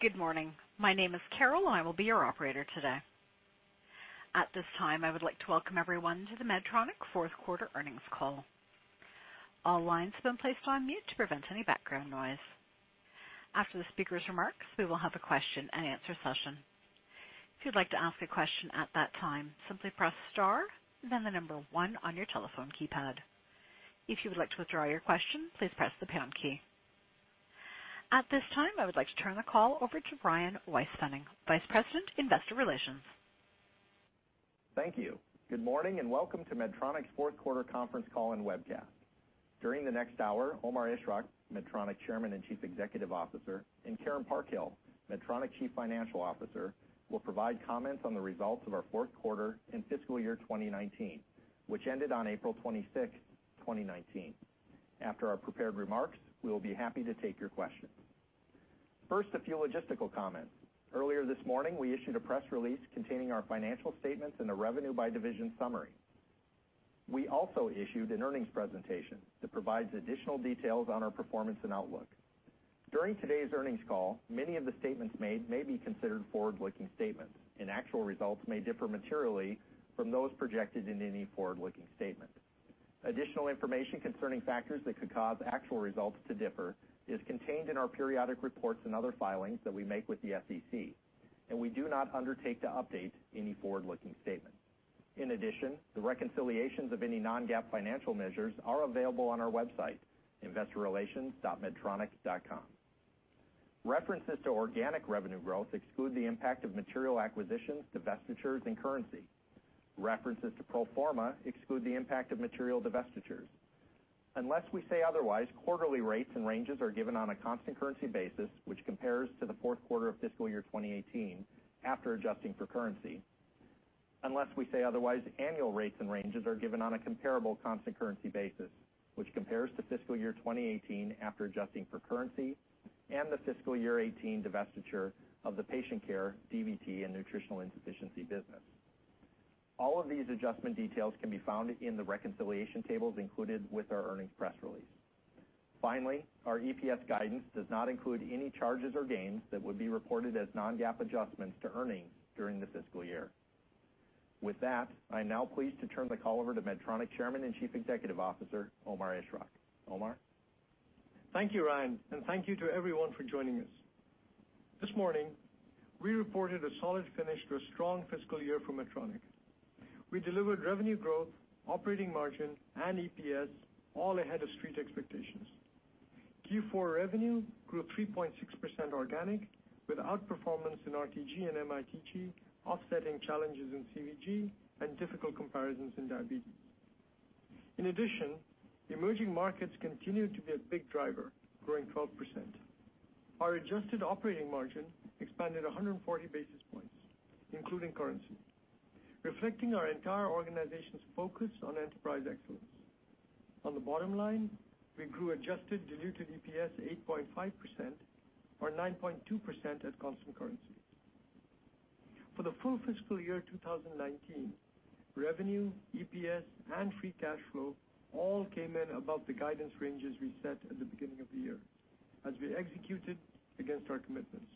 Good morning. My name is Carol, and I will be your operator today. At this time, I would like to welcome everyone to the Medtronic fourth quarter earnings call. All lines have been placed on mute to prevent any background noise. After the speaker's remarks, we will have a question and answer session. If you would like to ask a question at that time, simply press star then one on your telephone keypad. If you would like to withdraw your question, please press the pound key. At this time, I would like to turn the call over to Ryan Weispfenning, Vice President, Investor Relations. Thank you. Good morning. Welcome to Medtronic's fourth quarter conference call and webcast. During the next hour, Omar Ishrak, Medtronic Chairman and Chief Executive Officer, and Karen Parkhill, Medtronic Chief Financial Officer, will provide comments on the results of our fourth quarter and fiscal year 2019, which ended on April 26th, 2019. After our prepared remarks, we will be happy to take your questions. First, a few logistical comments. Earlier this morning, we issued a press release containing our financial statements and a revenue by division summary. We also issued an earnings presentation that provides additional details on our performance and outlook. During today's earnings call, many of the statements made may be considered forward-looking statements, and actual results may differ materially from those projected in any forward-looking statement. Additional information concerning factors that could cause actual results to differ is contained in our periodic reports and other filings that we make with the SEC. We do not undertake to update any forward-looking statement. The reconciliations of any non-GAAP financial measures are available on our website, investorrelations.medtronic.com. References to organic revenue growth exclude the impact of material acquisitions, divestitures, and currency. References to pro forma exclude the impact of material divestitures. Unless we say otherwise, quarterly rates and ranges are given on a constant currency basis, which compares to the fourth quarter of fiscal year 2018 after adjusting for currency. Unless we say otherwise, annual rates and ranges are given on a comparable constant currency basis, which compares to fiscal year 2018 after adjusting for currency and the fiscal year 2018 divestiture of the patient care, DVT, and nutritional insufficiency business. All of these adjustment details can be found in the reconciliation tables included with our earnings press release. Our EPS guidance does not include any charges or gains that would be reported as non-GAAP adjustments to earnings during the fiscal year. With that, I'm now pleased to turn the call over to Medtronic Chairman and Chief Executive Officer, Omar Ishrak. Omar? Thank you, Ryan, and thank you to everyone for joining us. This morning, we reported a solid finish to a strong fiscal year for Medtronic. We delivered revenue growth, operating margin, and EPS all ahead of street expectations. Q4 revenue grew 3.6% organic, with outperformance in RTG and MITG offsetting challenges in CVG and difficult comparisons in diabetes. In addition, emerging markets continued to be a big driver, growing 12%. Our adjusted operating margin expanded 140 basis points, including currency, reflecting our entire organization's focus on Enterprise Excellence. On the bottom line, we grew adjusted diluted EPS 8.5%, or 9.2% at constant currency. For the full fiscal year 2019, revenue, EPS, and free cash flow all came in above the guidance ranges we set at the beginning of the year as we executed against our commitments.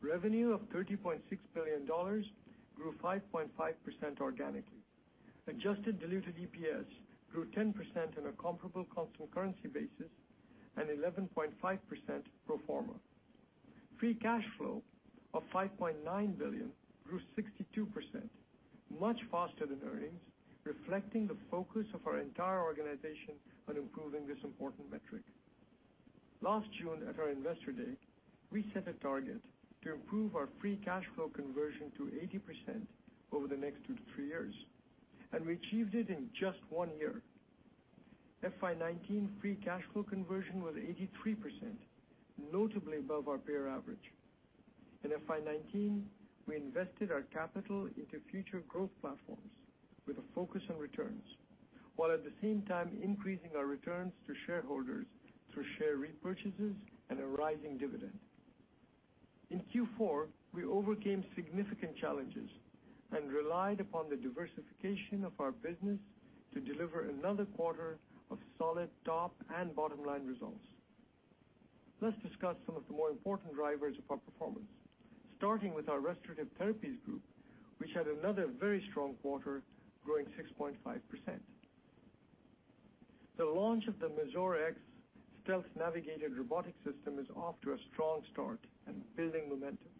Revenue of $30.6 billion grew 5.5% organically. Adjusted diluted EPS grew 10% on a comparable constant currency basis and 11.5% pro forma. Free cash flow of $5.9 billion grew 62%, much faster than earnings, reflecting the focus of our entire organization on improving this important metric. Last June at our Investor Day, we set a target to improve our free cash flow conversion to 80% over the next two to three years, and we achieved it in just one year. FY 2019 free cash flow conversion was 83%, notably above our peer average. In FY 2019, we invested our capital into future growth platforms with a focus on returns, while at the same time increasing our returns to shareholders through share repurchases and a rising dividend. In Q4, we overcame significant challenges and relied upon the diversification of our business to deliver another quarter of solid top and bottom-line results. Let's discuss some of the more important drivers of our performance, starting with our Restorative Therapies Group, which had another very strong quarter, growing 6.5%. The launch of the Mazor X Stealth Edition is off to a strong start and building momentum.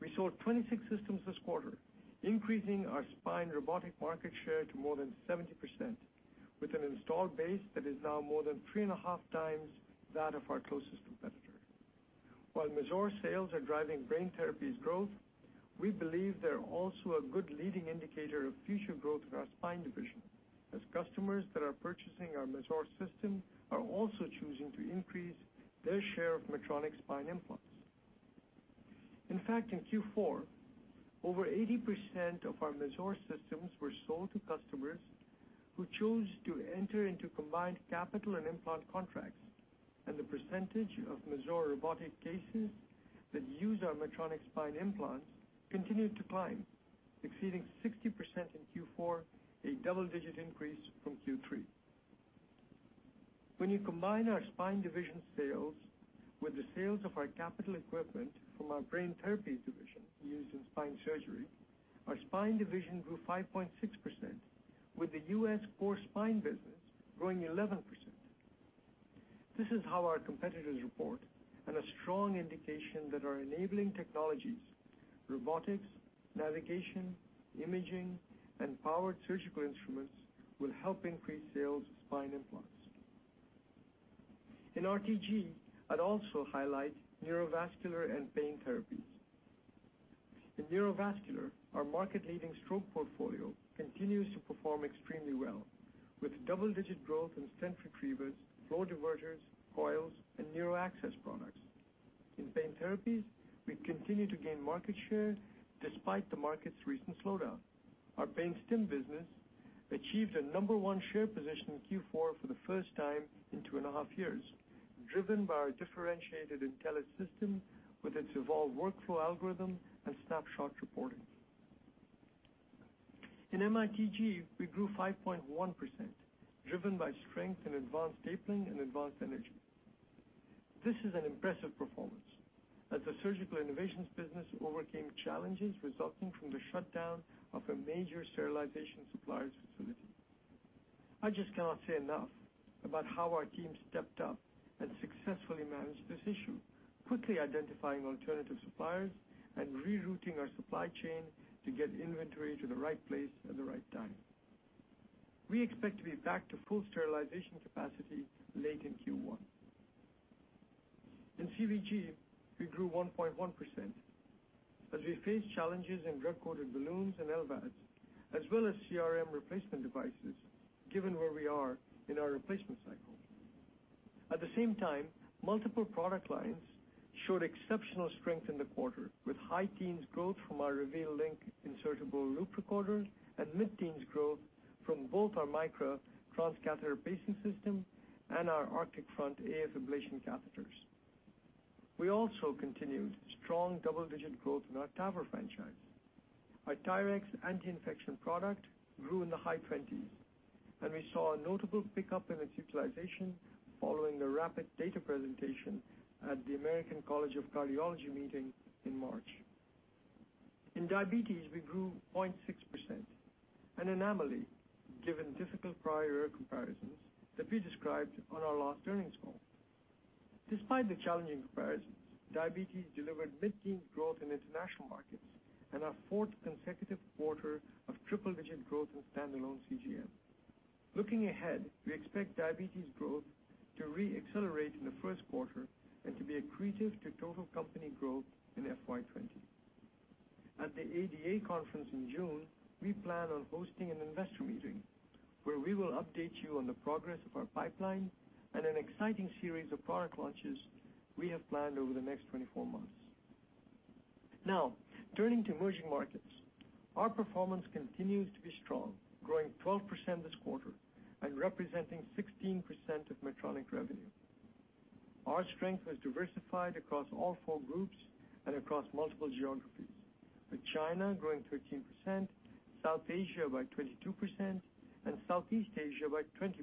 We sold 26 systems this quarter, increasing our spine robotic market share to more than 70%, with an installed base that is now more than three and a half times that of our closest competitor. While Mazor sales are driving brain therapies growth, we believe they're also a good leading indicator of future growth of our spine division, as customers that are purchasing our Mazor system are also choosing to increase their share of Medtronic spine implants. In fact, in Q4, over 80% of our Mazor systems were sold to customers who chose to enter into combined capital and implant contracts, and the percentage of Mazor robotic cases that use our Medtronic spine implants continued to climb, exceeding 60% in Q4, a double-digit increase from Q3. When you combine our spine division sales with the sales of our capital equipment from our brain therapies division used in spine surgery, our spine division grew 5.6%, with the U.S. core spine business growing 11%. This is how our competitors report and a strong indication that our enabling technologies, robotics, navigation, imaging, and powered surgical instruments, will help increase sales of spine implants. In RTG, I'd also highlight neurovascular and pain therapies. In neurovascular, our market-leading stroke portfolio continues to perform extremely well, with double-digit growth in stent retrievers, flow diverters, coils, and neuro access products. In Pain Therapies, we continue to gain market share despite the market's recent slowdown. Our PainStim business achieved a number one share position in Q4 for the first time in two and a half years, driven by our differentiated Intellis system with its Evolve workflow algorithm and snapshot reporting. In MITG, we grew 5.1%, driven by strength in advanced stapling and advanced energy. This is an impressive performance as the surgical innovations business overcame challenges resulting from the shutdown of a major sterilization supplier's facility. I just cannot say enough about how our team stepped up and successfully managed this issue, quickly identifying alternative suppliers and rerouting our supply chain to get inventory to the right place at the right time. We expect to be back to full sterilization capacity late in Q1. In CVG, we grew 1.1% as we faced challenges in drug-coated balloons and LVADs, as well as CRM replacement devices, given where we are in our replacement cycle. At the same time, multiple product lines showed exceptional strength in the quarter, with high teens growth from our Reveal LINQ insertable loop recorder and mid-teens growth from both our Micra transcatheter pacing system and our Arctic Front AF ablation catheters. We also continued strong double-digit growth in our TAVR franchise. Our TYRX anti-infection product grew in the high 20s, and we saw a notable pickup in its utilization following a rapid data presentation at the American College of Cardiology meeting in March. In Diabetes, we grew 0.6%, an anomaly given difficult prior year comparisons that we described on our last earnings call. Despite the challenging comparisons, Diabetes delivered mid-teen growth in international markets and our fourth consecutive quarter of triple-digit growth in standalone CGM. Looking ahead, we expect Diabetes growth to re-accelerate in the first quarter and to be accretive to total company growth in FY 2020. At the ADA conference in June, we plan on hosting an investor meeting where we will update you on the progress of our pipeline and an exciting series of product launches we have planned over the next 24 months. Now, turning to emerging markets. Our performance continues to be strong, growing 12% this quarter and representing 16% of Medtronic revenue. Our strength was diversified across all four groups and across multiple geographies, with China growing 13%, South Asia by 22%, and Southeast Asia by 20%.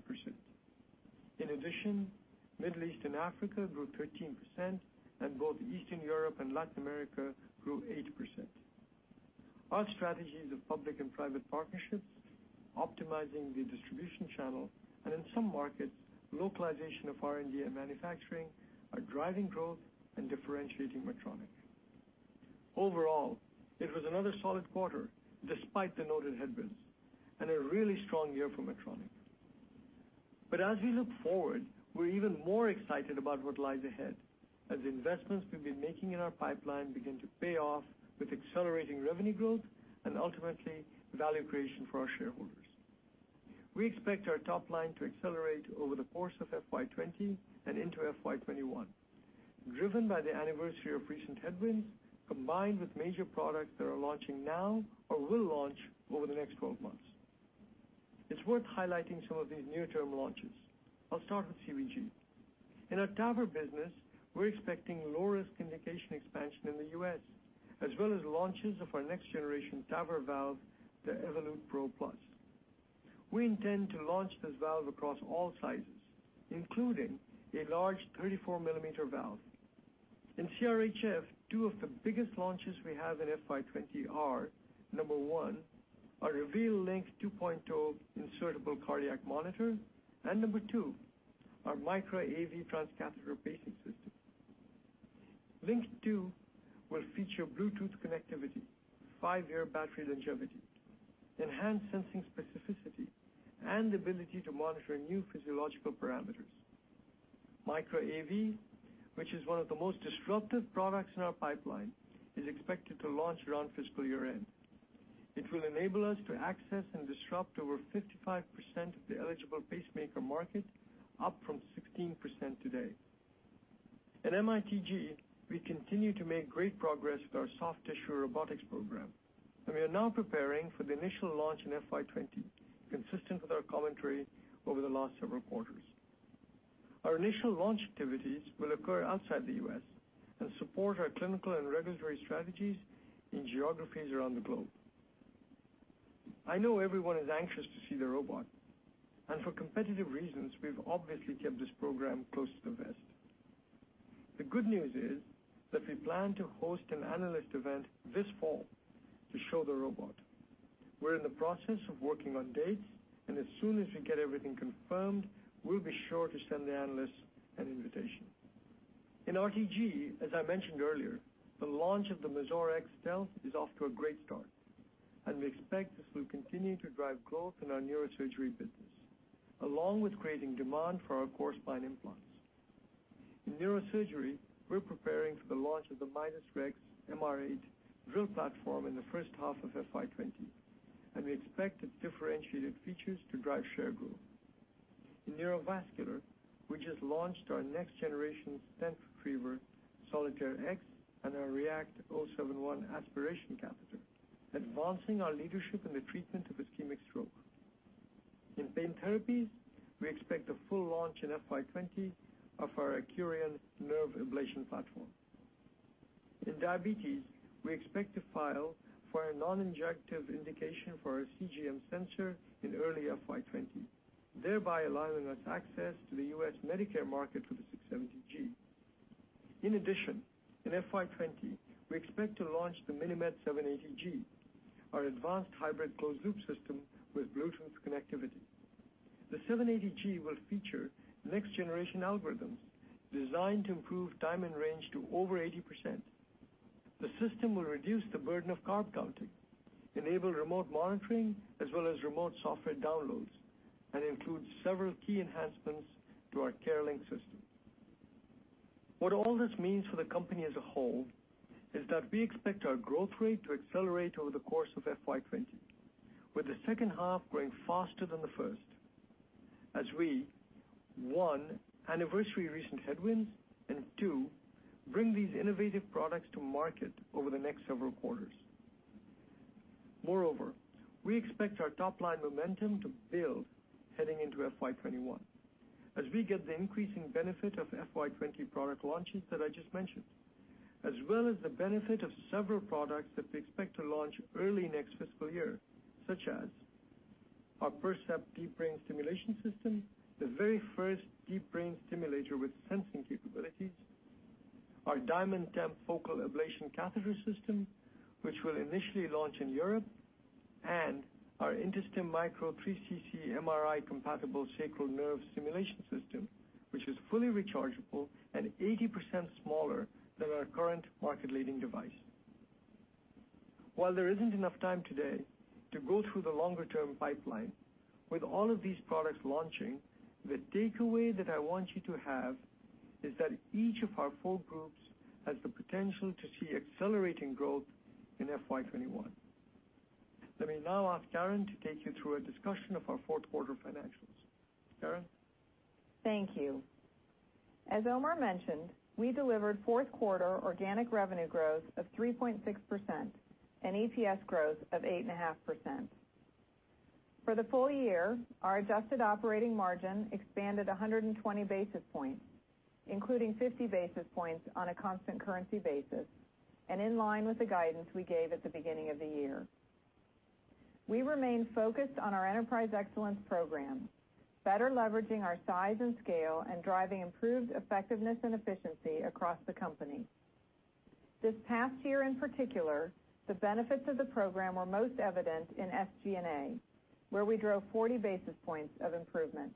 In addition, Middle East and Africa grew 13%, and both Eastern Europe and Latin America grew 8%. Our strategies of public and private partnerships, optimizing the distribution channel, and in some markets, localization of R&D and manufacturing, are driving growth and differentiating Medtronic. Overall, it was another solid quarter despite the noted headwinds and a really strong year for Medtronic. As we look forward, we're even more excited about what lies ahead as investments we've been making in our pipeline begin to pay off with accelerating revenue growth and ultimately value creation for our shareholders. We expect our top line to accelerate over the course of FY 2020 and into FY 2021, driven by the anniversary of recent headwinds combined with major products that are launching now or will launch over the next 12 months. It's worth highlighting some of these near-term launches. I'll start with CVG. In our TAVR business, we are expecting low-risk indication expansion in the U.S., as well as launches of our next-generation TAVR valve, the Evolut PRO+. We intend to launch this valve across all sizes, including a large 34-millimeter valve. In CRHF, two of the biggest launches we have in FY 2020 are, number one, our Reveal LINQ 2.0 insertable cardiac monitor, and number two, our Micra AV transcatheter pacing system. LINQ 2 will feature Bluetooth connectivity, five-year battery longevity, enhanced sensing specificity, and the ability to monitor new physiological parameters. Micra AV, which is one of the most disruptive products in our pipeline, is expected to launch around fiscal year-end. It will enable us to access and disrupt over 55% of the eligible pacemaker market, up from 16% today. In MITG, we continue to make great progress with our soft tissue robotics program, and we are now preparing for the initial launch in FY 2020, consistent with our commentary over the last several quarters. Our initial launch activities will occur outside the U.S. and support our clinical and regulatory strategies in geographies around the globe. I know everyone is anxious to see the robot, and for competitive reasons, we have obviously kept this program close to the vest. The good news is that we plan to host an analyst event this fall to show the robot. We are in the process of working on dates, and as soon as we get everything confirmed, we will be sure to send the analysts an invitation. In RTG, as I mentioned earlier, the launch of the Mazor X Stealth is off to a great start, and we expect this will continue to drive growth in our neurosurgery business, along with creating demand for our core spine implants. In neurosurgery, we are preparing for the launch of the Midas Rex MR8 drill platform in the first half of FY 2020, and we expect its differentiated features to drive share growth. In neurovascular, we just launched our next-generation stent retrieval Solitaire X and our React 0.71 Aspiration Catheter, advancing our leadership in the treatment of ischemic stroke. In pain therapies, we expect a full launch in FY 2020 of our Accurian nerve ablation platform. In diabetes, we expect to file for a non-adjunctive indication for our CGM sensor in early FY 2020, thereby allowing us access to the U.S. Medicare market for the 670G. In addition, in FY 2020, we expect to launch the MiniMed 780G, our advanced hybrid closed-loop system with Bluetooth connectivity. The 780G will feature next-generation algorithms designed to improve time and range to over 80%. The system will reduce the burden of carb counting, enable remote monitoring, as well as remote software downloads, and includes several key enhancements to our CareLink system. What all this means for the company as a whole is that we expect our growth rate to accelerate over the course of FY 2020, with the second half growing faster than the first as we, one, anniversary recent headwinds, and two, bring these innovative products to market over the next several quarters. Moreover, we expect our top-line momentum to build heading into FY 2021 as we get the increasing benefit of FY 2020 product launches that I just mentioned, as well as the benefit of several products that we expect to launch early next fiscal year, such as our Percept Deep Brain Stimulation system, the very first deep brain stimulator with sensing capabilities; our DiamondTemp Focal Ablation Catheter system, which will initially launch in Europe; and our InterStim Micro three CC MRI-compatible Sacral Nerve Stimulation system, which is fully rechargeable and 80% smaller than our current market-leading device. While there isn't enough time today to go through the longer-term pipeline, with all of these products launching, the takeaway that I want you to have is that each of our four groups has the potential to see accelerating growth in FY 2021. Let me now ask Karen to take you through a discussion of our fourth-quarter financials. Karen? Thank you. As Omar mentioned, we delivered fourth-quarter organic revenue growth of 3.6% and EPS growth of 8.5%. For the full year, our adjusted operating margin expanded 120 basis points, including 50 basis points on a constant currency basis, and in line with the guidance we gave at the beginning of the year. We remain focused on our Enterprise Excellence program, better leveraging our size and scale and driving improved effectiveness and efficiency across the company. This past year in particular, the benefits of the program were most evident in SG&A, where we drove 40 basis points of improvement.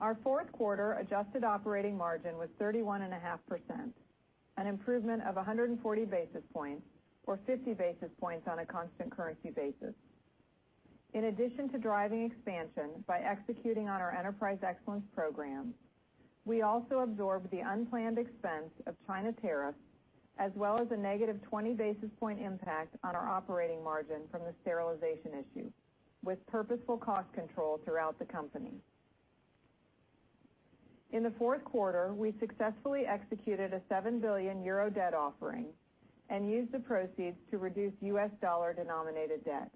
Our fourth-quarter adjusted operating margin was 31.5%, an improvement of 140 basis points or 50 basis points on a constant currency basis. In addition to driving expansion by executing on our Enterprise Excellence program, we also absorbed the unplanned expense of China tariffs, as well as a negative 20 basis point impact on our operating margin from the sterilization issue, with purposeful cost control throughout the company. In the fourth quarter, we successfully executed a €7 billion debt offering and used the proceeds to reduce U.S. dollar-denominated debt.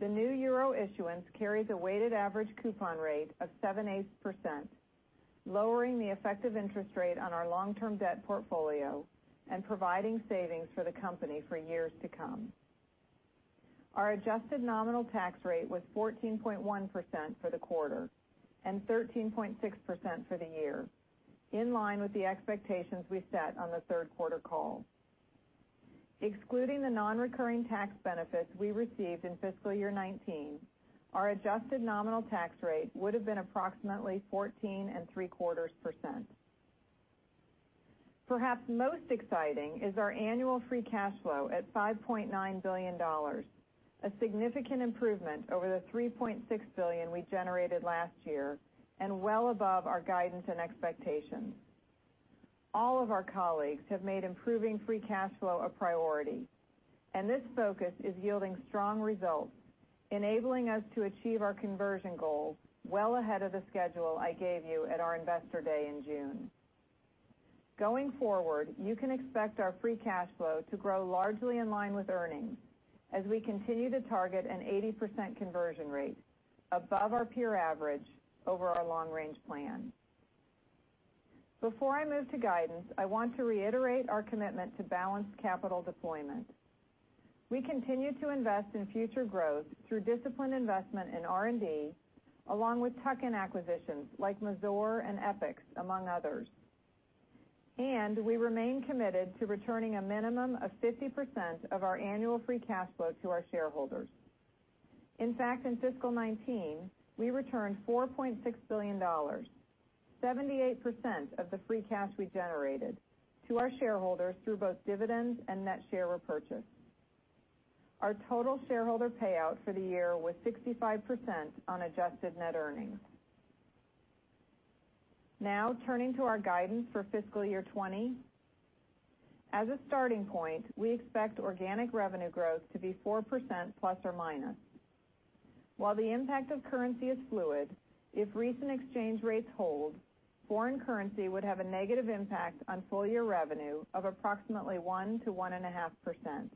The new euro issuance carries a weighted average coupon rate of 7.8%, lowering the effective interest rate on our long-term debt portfolio and providing savings for the company for years to come. Our adjusted nominal tax rate was 14.1% for the quarter and 13.6% for the year, in line with the expectations we set on the third quarter call. Excluding the non-recurring tax benefits we received in fiscal year 2019, our adjusted nominal tax rate would have been approximately 14.75%. Perhaps most exciting is our annual free cash flow at $5.9 billion, a significant improvement over the $3.6 billion we generated last year and well above our guidance and expectations. All of our colleagues have made improving free cash flow a priority, this focus is yielding strong results, enabling us to achieve our conversion goals well ahead of the schedule I gave you at our investor day in June. Going forward, you can expect our free cash flow to grow largely in line with earnings as we continue to target an 80% conversion rate above our peer average over our long-range plan. Before I move to guidance, I want to reiterate our commitment to balanced capital deployment. We continue to invest in future growth through disciplined investment in R&D, along with tuck-in acquisitions like Mazor and Epix, among others. We remain committed to returning a minimum of 50% of our annual free cash flow to our shareholders. In fact, in fiscal 2019, we returned $4.6 billion, 78% of the free cash we generated to our shareholders through both dividends and net share repurchase. Our total shareholder payout for the year was 65% on adjusted net earnings. Now, turning to our guidance for fiscal year 2020. As a starting point, we expect organic revenue growth to be 4% ±. While the impact of currency is fluid, if recent exchange rates hold, foreign currency would have a negative impact on full-year revenue of approximately 1%-1.5%.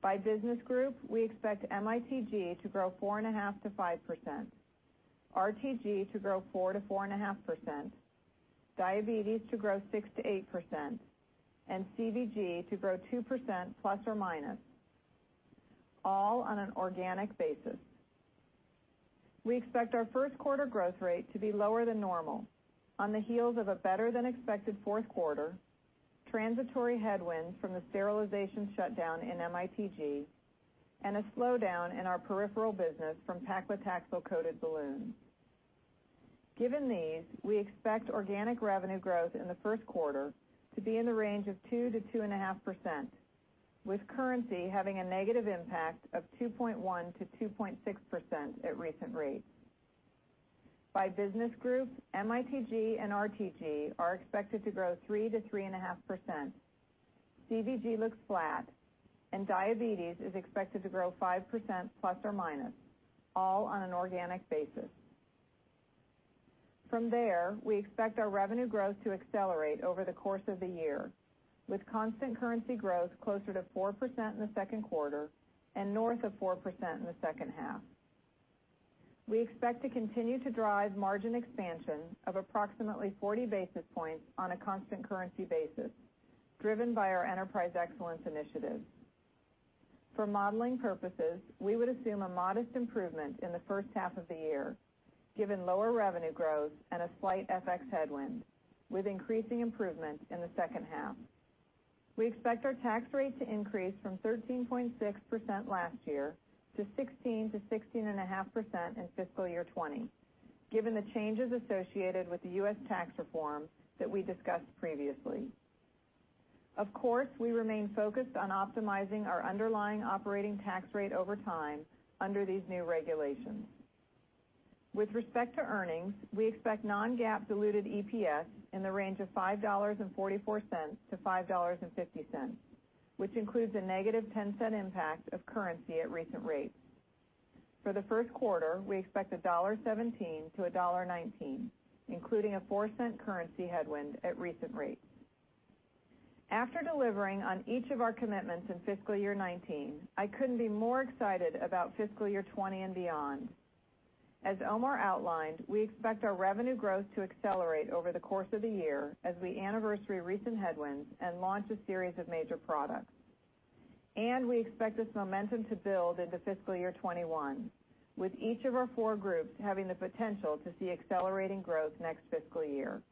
By business group, we expect MITG to grow 4.5%-5%, RTG to grow 4%-4.5%, Diabetes to grow 6%-8%, and CVG to grow 2% ±, all on an organic basis. We expect our first quarter growth rate to be lower than normal on the heels of a better-than-expected fourth quarter, transitory headwinds from the sterilization shutdown in MITG, and a slowdown in our peripheral business from paclitaxel-coated balloons. Given these, we expect organic revenue growth in the first quarter to be in the range of 2%-2.5%, with currency having a negative impact of 2.1%-2.6% at recent rates. By business group, MITG and RTG are expected to grow 3%-3.5%. CVG looks flat, and Diabetes is expected to grow 5% ±, all on an organic basis. From there, we expect our revenue growth to accelerate over the course of the year, with constant currency growth closer to 4% in the second quarter and north of 4% in the second half. We expect to continue to drive margin expansion of approximately 40 basis points on a constant currency basis, driven by our Enterprise Excellence initiatives. For modeling purposes, we would assume a modest improvement in the first half of the year, given lower revenue growth and a slight FX headwind, with increasing improvement in the second half. We expect our tax rate to increase from 13.6% last year to 16%-16.5% in fiscal year 2020, given the changes associated with the U.S. Tax Reform that we discussed previously. Of course, we remain focused on optimizing our underlying operating tax rate over time under these new regulations. With respect to earnings, we expect non-GAAP diluted EPS in the range of $5.44-$5.50, which includes a negative $0.10 impact of currency at recent rates. For the first quarter, we expect $1.17-$1.19, including a $0.04 currency headwind at recent rates. After delivering on each of our commitments in fiscal year 2019, I couldn't be more excited about fiscal year 2020 and beyond. As Omar outlined, we expect our revenue growth to accelerate over the course of the year as we anniversary recent headwinds and launch a series of major products. We expect this momentum to build into fiscal year 2021, with each of our four groups having the potential to see accelerating growth next fiscal year.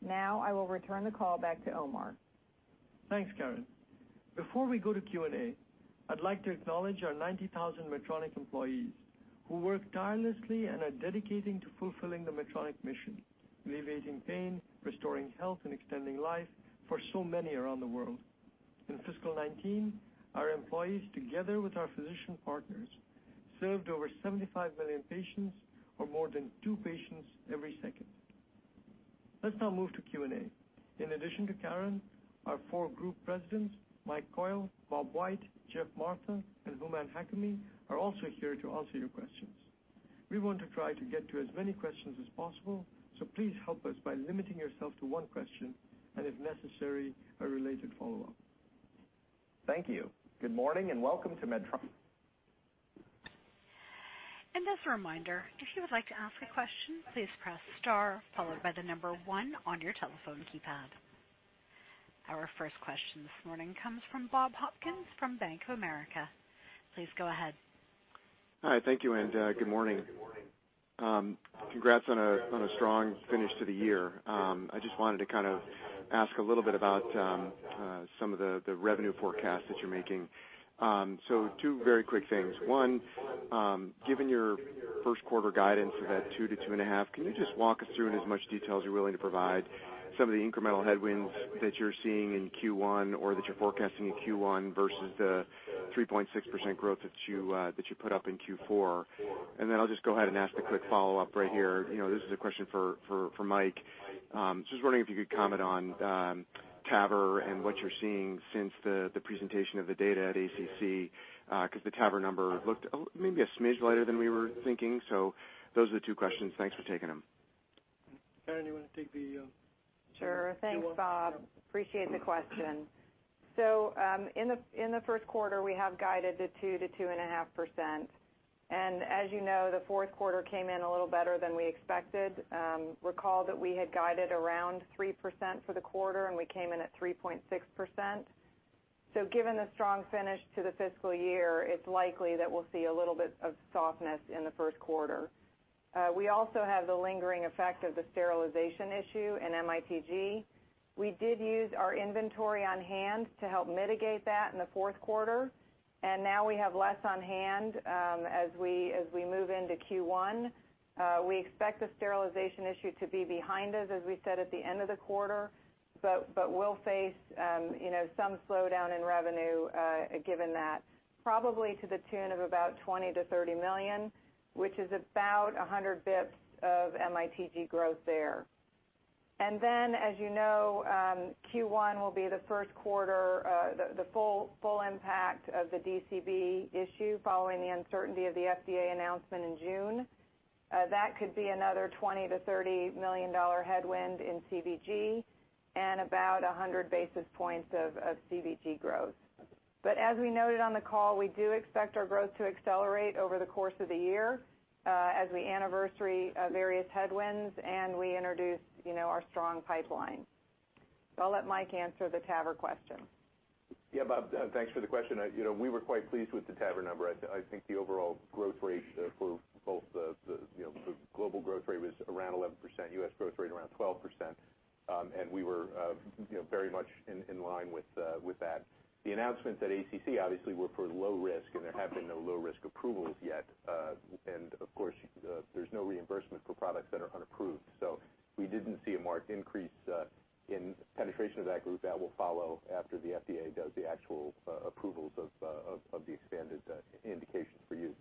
Now, I will return the call back to Omar. Thanks, Karen. Before we go to Q&A, I'd like to acknowledge our 90,000 Medtronic employees who work tirelessly and are dedicated to fulfilling the Medtronic mission, alleviating pain, restoring health, and extending life for so many around the world. In fiscal 2019, our employees, together with our physician partners, served over 75 million patients or more than two patients every second. Let's now move to Q&A. In addition to Karen, our four group presidents, Mike Coyle, Bob White, Geoff Martha, and Houman Hakimi, are also here to answer your questions. We want to try to get to as many questions as possible, so please help us by limiting yourself to one question and, if necessary, a related follow-up. Thank you. Good morning and welcome to Medtronic. As a reminder, if you would like to ask a question, please press star followed by the number one on your telephone keypad. Our first question this morning comes from Bob Hopkins from Bank of America. Please go ahead. Hi, thank you, and good morning. Congrats on a strong finish to the year. I just wanted to ask a little bit about some of the revenue forecasts that you're making. Two very quick things. One, given your first quarter guidance of that 2%-2.5%, can you just walk us through in as much detail as you're willing to provide some of the incremental headwinds that you're seeing in Q1 or that you're forecasting in Q1 versus the 3.6% growth that you put up in Q4? I'll just go ahead and ask a quick follow-up right here. This is a question for Mike. Just wondering if you could comment on TAVR and what you're seeing since the presentation of the data at ACC, because the TAVR number looked maybe a smidge lighter than we were thinking. Those are the two questions. Thanks for taking them. Karen, you want to take the Sure. Thanks, Bob. Appreciate the question. In the first quarter, we have guided to 2%-2.5%. As you know, the fourth quarter came in a little better than we expected. Recall that we had guided around 3% for the quarter, and we came in at 3.6%. Given the strong finish to the fiscal year, it's likely that we'll see a little bit of softness in the first quarter. We also have the lingering effect of the sterilization issue in MITG. We did use our inventory on hand to help mitigate that in the fourth quarter, and now we have less on hand as we move into Q1. We expect the sterilization issue to be behind us, as we said at the end of the quarter, but we'll face some slowdown in revenue given that, probably to the tune of about $20 million-$30 million, which is about 100 basis points of MITG growth there. As you know, Q1 will be the first quarter, the full impact of the DCB issue following the uncertainty of the FDA announcement in June. That could be another $20 million-$30 million headwind in CVG and about 100 basis points of CVG growth. As we noted on the call, we do expect our growth to accelerate over the course of the year as we anniversary various headwinds and we introduce our strong pipeline. I'll let Mike answer the TAVR question. Bob, thanks for the question. We were quite pleased with the TAVR number. I think the overall growth rate for both the global growth rate was around 11%, U.S. growth rate around 12%. We were very much in line with that. The announcements at ACC obviously were for low risk, and there have been no low-risk approvals yet. Of course, there's no reimbursement for products that are unapproved. We didn't see a marked increase in penetration of that group. That will follow after the FDA does the actual approvals of the expanded indications for use.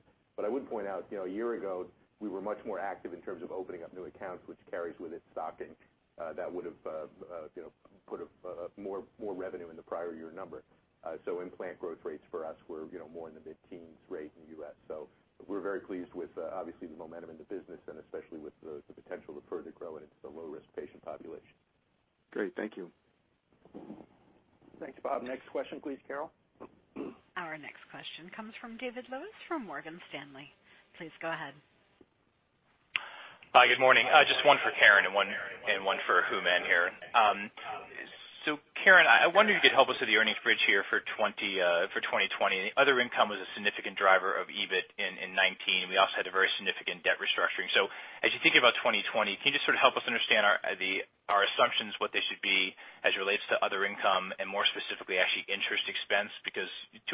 I would point out, a year ago, we were much more active in terms of opening up new accounts, which carries with it stocking. That would've put more revenue in the prior year number. Implant growth rates for us were more in the mid-teens rate in the U.S. We're very pleased with, obviously, the momentum in the business and especially with the potential to further grow it into the low-risk patient population. Great. Thank you. Thanks, Bob. Next question, please, Carol. Our next question comes from David Lewis from Morgan Stanley. Please go ahead. Hi. Good morning. Just one for Karen and one for Houman here. Karen, I wonder if you could help us with the earnings bridge here for 2020. Other income was a significant driver of EBIT in 2019. We also had a very significant debt restructuring. As you think about 2020, can you just sort of help us understand our assumptions, what they should be as it relates to other income and more specifically, actually interest expense?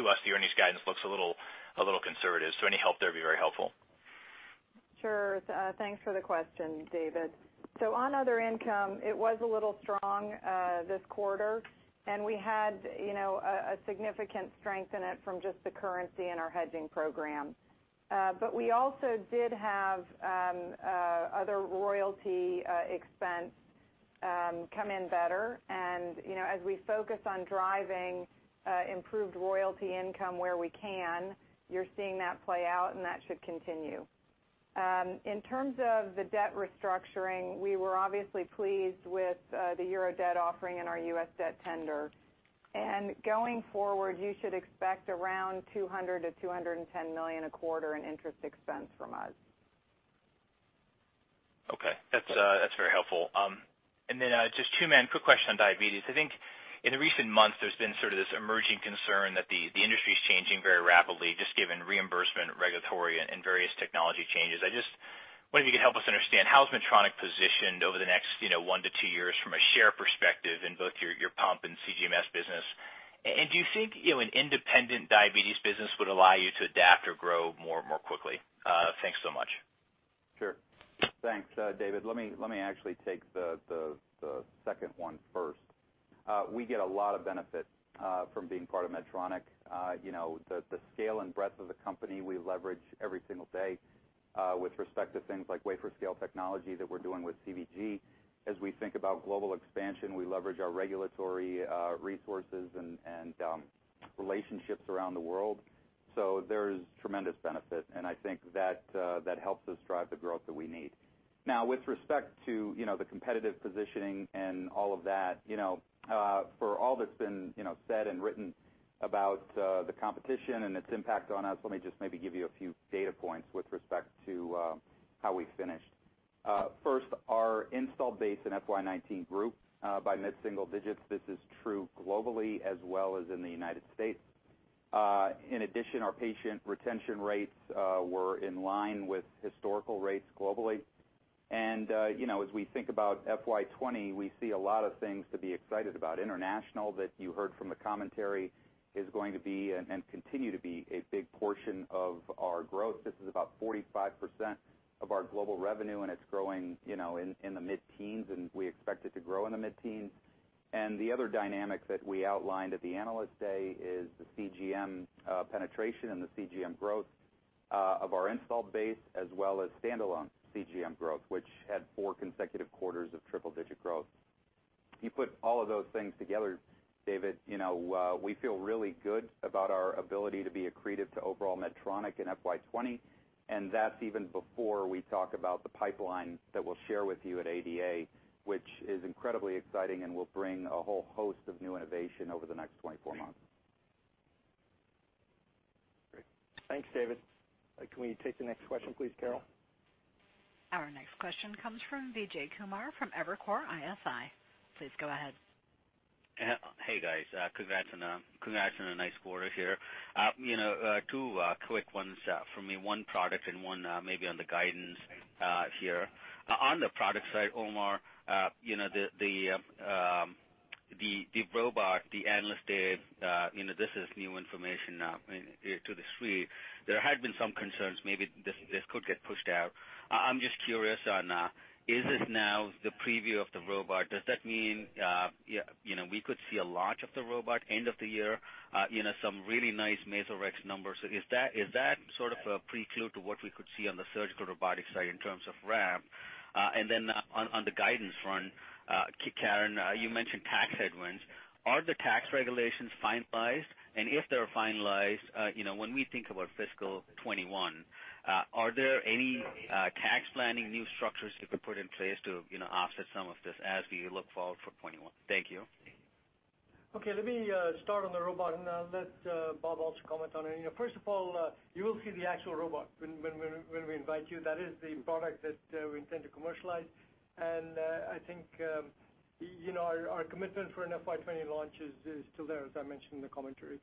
To us, the earnings guidance looks a little conservative. Any help there would be very helpful. Sure. Thanks for the question, David. On other income, it was a little strong this quarter, and we had a significant strength in it from just the currency in our hedging program. We also did have other royalty expense come in better. As we focus on driving improved royalty income where we can, you're seeing that play out, and that should continue. In terms of the debt restructuring, we were obviously pleased with the euro debt offering and our U.S. debt tender. Going forward, you should expect around $200 to $210 million a quarter in interest expense from us. Okay. That's very helpful. Then just, Houman, quick question on diabetes. I think in the recent months, there's been sort of this emerging concern that the industry's changing very rapidly, just given reimbursement, regulatory, and various technology changes. I just wonder if you could help us understand how's Medtronic positioned over the next one to two years from a share perspective in both your pump and CGMS business. Do you think an independent diabetes business would allow you to adapt or grow more quickly? Thanks so much. Sure. Thanks, David. Let me actually take the second one first. We get a lot of benefit from being part of Medtronic. The scale and breadth of the company we leverage every single day with respect to things like wafer-scale technology that we're doing with CVG. As we think about global expansion, we leverage our regulatory resources and relationships around the world. There's tremendous benefit, and I think that helps us drive the growth that we need. Now with respect to the competitive positioning and all of that, for all that's been said and written about the competition and its impact on us, let me just maybe give you a few data points with respect to how we finished. First, our install base in FY 2019 grew by mid-single digits. This is true globally as well as in the U.S. In addition, our patient retention rates were in line with historical rates globally. As we think about FY 2020, we see a lot of things to be excited about. International, that you heard from the commentary, is going to be and continue to be a big portion of our growth. This is about 45% of our global revenue, and it's growing in the mid-teens, and we expect it to grow in the mid-teens. The other dynamic that we outlined at the Analyst Day is the CGM penetration and the CGM growth of our install base as well as standalone CGM growth, which had four consecutive quarters of triple-digit growth. You put all of those things together, David, we feel really good about our ability to be accretive to overall Medtronic in FY 2020, and that's even before we talk about the pipeline that we'll share with you at ADA, which is incredibly exciting and will bring a whole host of new innovation over the next 24 months. Great. Thanks, David. Can we take the next question please, Carol? Our next question comes from Vijay Kumar from Evercore ISI. Please go ahead. Hey, guys. Congrats on a nice quarter here. Two quick ones for me, one product and one maybe on the guidance here. On the product side, Omar, the robot, the Analyst Day, this is new information to the suite. There had been some concerns, maybe this could get pushed out. I'm just curious, is this now the preview of the robot? Does that mean we could see a launch of the robot end of the year, some really nice Mazor X numbers? Is that sort of a pre-clue to what we could see on the surgical robotic side in terms of ramp? On the guidance front, Karen, you mentioned tax headwinds. Are the tax regulations finalized? If they're finalized, when we think about fiscal 2021, are there any tax planning new structures you could put in place to offset some of this as we look forward for 2021? Thank you. Okay, let me start on the robot and let Bob also comment on it. First of all, you will see the actual robot when we invite you. That is the product that we intend to commercialize. I think our commitment for an FY 2020 launch is still there, as I mentioned in the commentary.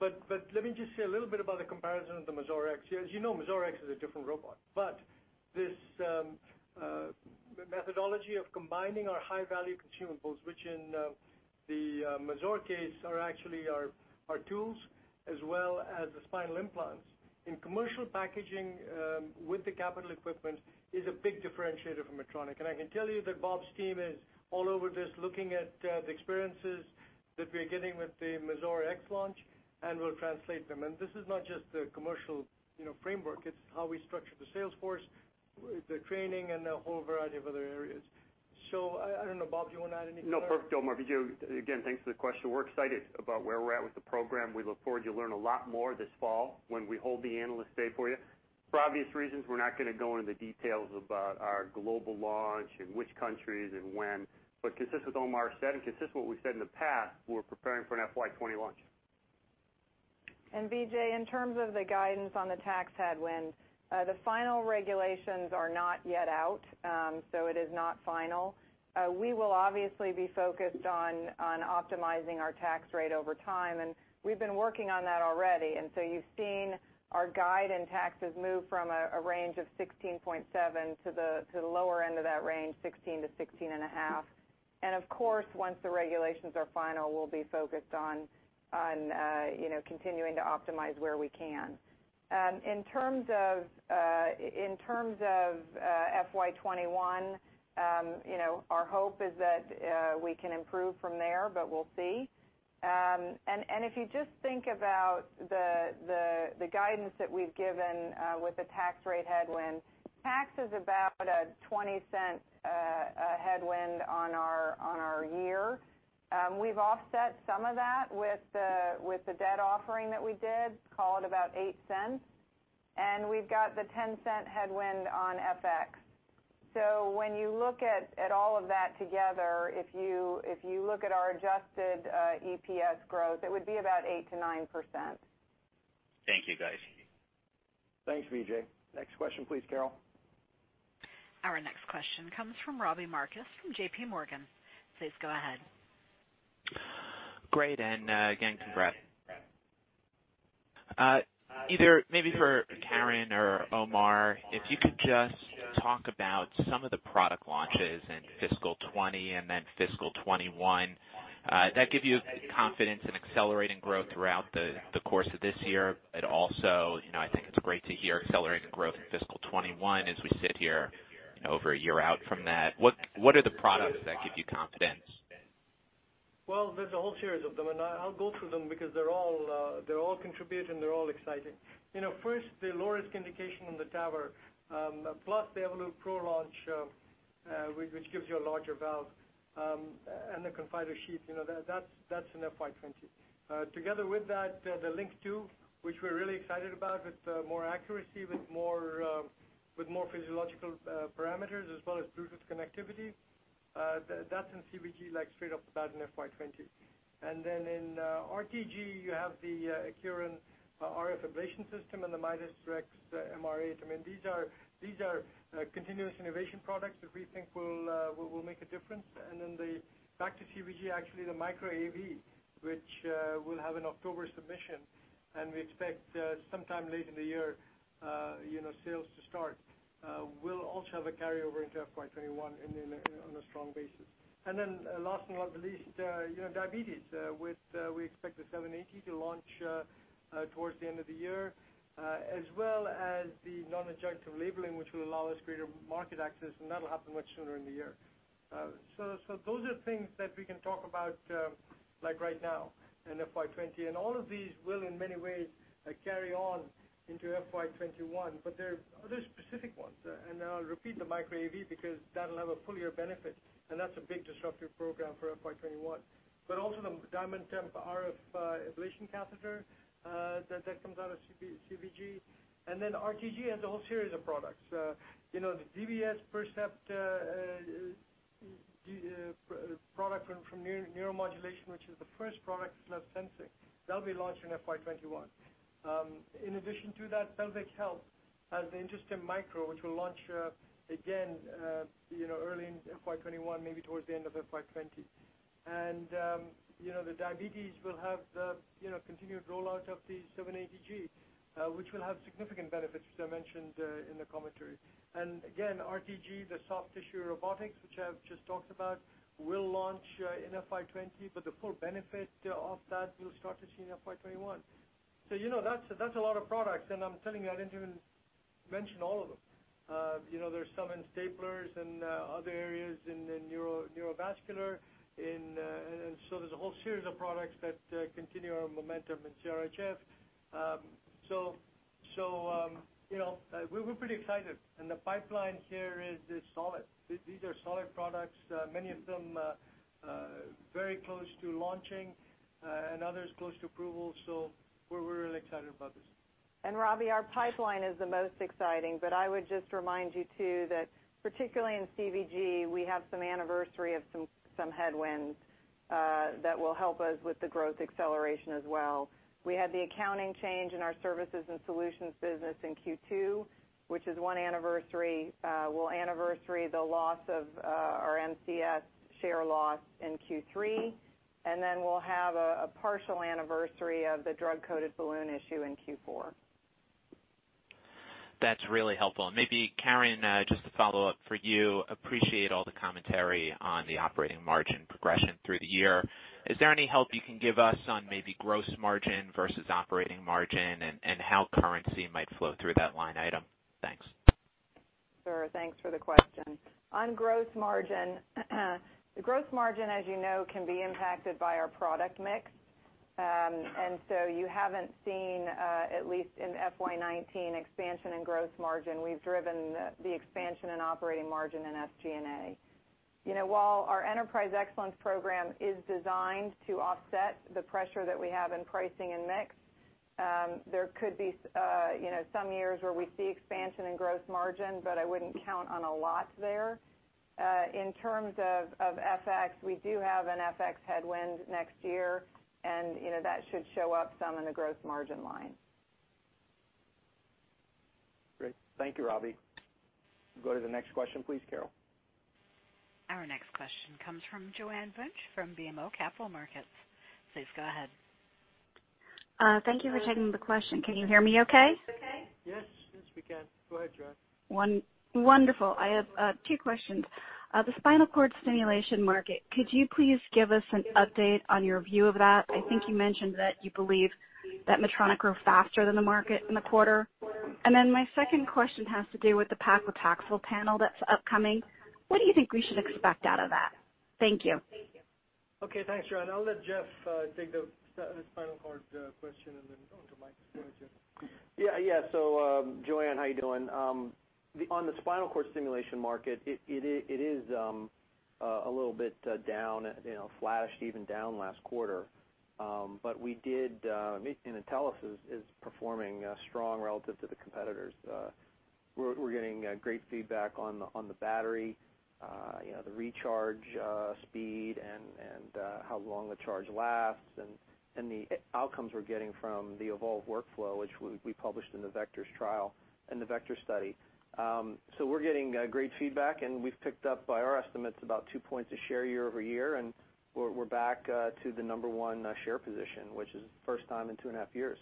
Let me just say a little bit about the comparison of the Mazor X. As you know, Mazor X is a different robot. This methodology of combining our high-value consumables, which in the Mazor case are actually our tools, as well as the spinal implants, in commercial packaging with the capital equipment is a big differentiator for Medtronic. I can tell you that Bob's team is all over this, looking at the experiences that we're getting with the Mazor X launch, and we'll translate them. This is not just the commercial framework, it's how we structure the sales force, the training, and a whole variety of other areas. I don't know, Bob, do you want to add anything? No. Perfect, Omar. Vijay, again, thanks for the question. We're excited about where we're at with the program. We look forward to learn a lot more this fall when we hold the Analyst Day for you. For obvious reasons, we're not going to go into the details about our global launch and which countries and when, consistent with what Omar said, and consistent with what we've said in the past, we're preparing for an FY 2020 launch. Vijay, in terms of the guidance on the tax headwinds, the final regulations are not yet out, it is not final. We will obviously be focused on optimizing our tax rate over time, we've been working on that already. You've seen our guide and taxes move from a range of 16.7% to the lower end of that range, 16%-16.5%. Of course, once the regulations are final, we'll be focused on continuing to optimize where we can. In terms of FY 2021, our hope is that we can improve from there, we'll see. If you just think about the guidance that we've given with the tax rate headwind, tax is about a $0.20 headwind on our year. We've offset some of that with the debt offering that we did, call it about $0.08, and we've got the $0.10 headwind on FX. When you look at all of that together, if you look at our adjusted EPS growth, it would be about 8%-9%. Thank you, guys. Thanks, Vijay. Next question please, Carol. Our next question comes from Robbie Marcus from J.P. Morgan. Please go ahead. Great, again, congrats. Either maybe for Karen or Omar, if you could just talk about some of the product launches in fiscal 2020 and then fiscal 2021, does that give you confidence in accelerating growth throughout the course of this year? Also, I think it's great to hear accelerating growth in fiscal 2021 as we sit here over a year out from that. What are the products that give you confidence? Well, there's a whole series of them. I'll go through them because they're all contributing, they're all exciting. First, the lowest indication on the TAVR, plus the Evolut PRO launch, which gives you a larger valve, and the Confida sheath. That's in FY 2020. Together with that, the LINQ II, which we're really excited about, with more accuracy, with more physiological parameters, as well as Bluetooth connectivity. That's in CVG straight off the bat in FY 2020. In RTG, you have the Accurian RF ablation system and the Midas Rex MRA. These are continuous innovation products that we think will make a difference. Back to CVG, actually, the Micra AV, which will have an October submission, and we expect sometime late in the year, sales to start. We'll also have a carryover into FY 2021 on a strong basis. Last but not least, diabetes. We expect the 780 to launch towards the end of the year, as well as the non-adjunctive labeling, which will allow us greater market access. That'll happen much sooner in the year. Those are things that we can talk about right now in FY 2020. All of these will, in many ways, carry on into FY 2021. There are other specific ones. I'll repeat the Micra AV because that'll have a full-year benefit, and that's a big disruptive program for FY 2021. Also the DiamondTemp RF ablation catheter. That comes out of CVG. RTG has a whole series of products. The DBS Percept product from Neuromodulation, which is the first product with sensing, that'll be launched in FY 2021. In addition to that, Pelvic Health has the InterStim Micro, which will launch again early in FY 2021, maybe towards the end of FY 2020. The diabetes will have the continued rollout of the 780G, which will have significant benefits, as I mentioned in the commentary. Again, RTG, the soft tissue robotics, which I've just talked about, will launch in FY 2020, but the full benefit of that we'll start to see in FY 2021. That's a lot of products, and I'm telling you, I didn't even mention all of them. There's some in staplers and other areas in neurovascular. There's a whole series of products that continue our momentum in CRHF. We're pretty excited, and the pipeline here is solid. These are solid products, many of them very close to launching and others close to approval. We're really excited about this. Robbie, our pipeline is the most exciting. I would just remind you too that particularly in CVG, we have some anniversary of some headwinds that will help us with the growth acceleration as well. We had the accounting change in our services and solutions business in Q2, which is one anniversary. We'll anniversary the loss of our MCS share loss in Q3. We'll have a partial anniversary of the drug-coated balloon issue in Q4. That's really helpful. Maybe Karen, just to follow up for you, appreciate all the commentary on the operating margin progression through the year. Is there any help you can give us on maybe gross margin versus operating margin and how currency might flow through that line item? Thanks. Sure, thanks for the question. On gross margin, the gross margin, as you know, can be impacted by our product mix. So you haven't seen, at least in FY 2019, expansion in gross margin. We've driven the expansion in operating margin in SG&A. While our Enterprise Excellence program is designed to offset the pressure that we have in pricing and mix, there could be some years where we see expansion in gross margin, but I wouldn't count on a lot there. In terms of FX, we do have an FX headwind next year, that should show up some in the gross margin line. Great. Thank you, Robbie. Go to the next question, please, Carol. Our next question comes from Joanne Wuensch from BMO Capital Markets. Please go ahead. Thank you for taking the question. Can you hear me okay? Yes, we can. Go ahead, Joanne. Wonderful. I have two questions. The spinal cord stimulation market, could you please give us an update on your view of that? I think you mentioned that you believe that Medtronic grew faster than the market in the quarter. My second question has to do with the paclitaxel panel that is upcoming. What do you think we should expect out of that? Thank you. Okay. Thanks, Joanne. I will let Geoff take the spinal cord question and then go on to Mike. Go ahead, Geoff. Yeah. Joanne, how you doing? On the spinal cord stimulation market, it is a little bit down, flat to even down last quarter. We did, and Intellis is performing strong relative to the competitors. We're getting great feedback on the battery, the recharge speed and how long the charge lasts and the outcomes we're getting from the evolved workflow, which we published in the Vectors trial and the Vectors study. We're getting great feedback, and we've picked up, by our estimates, about 2 points of share year-over-year, and we're back to the number 1 share position, which is the first time in 2 and a half years.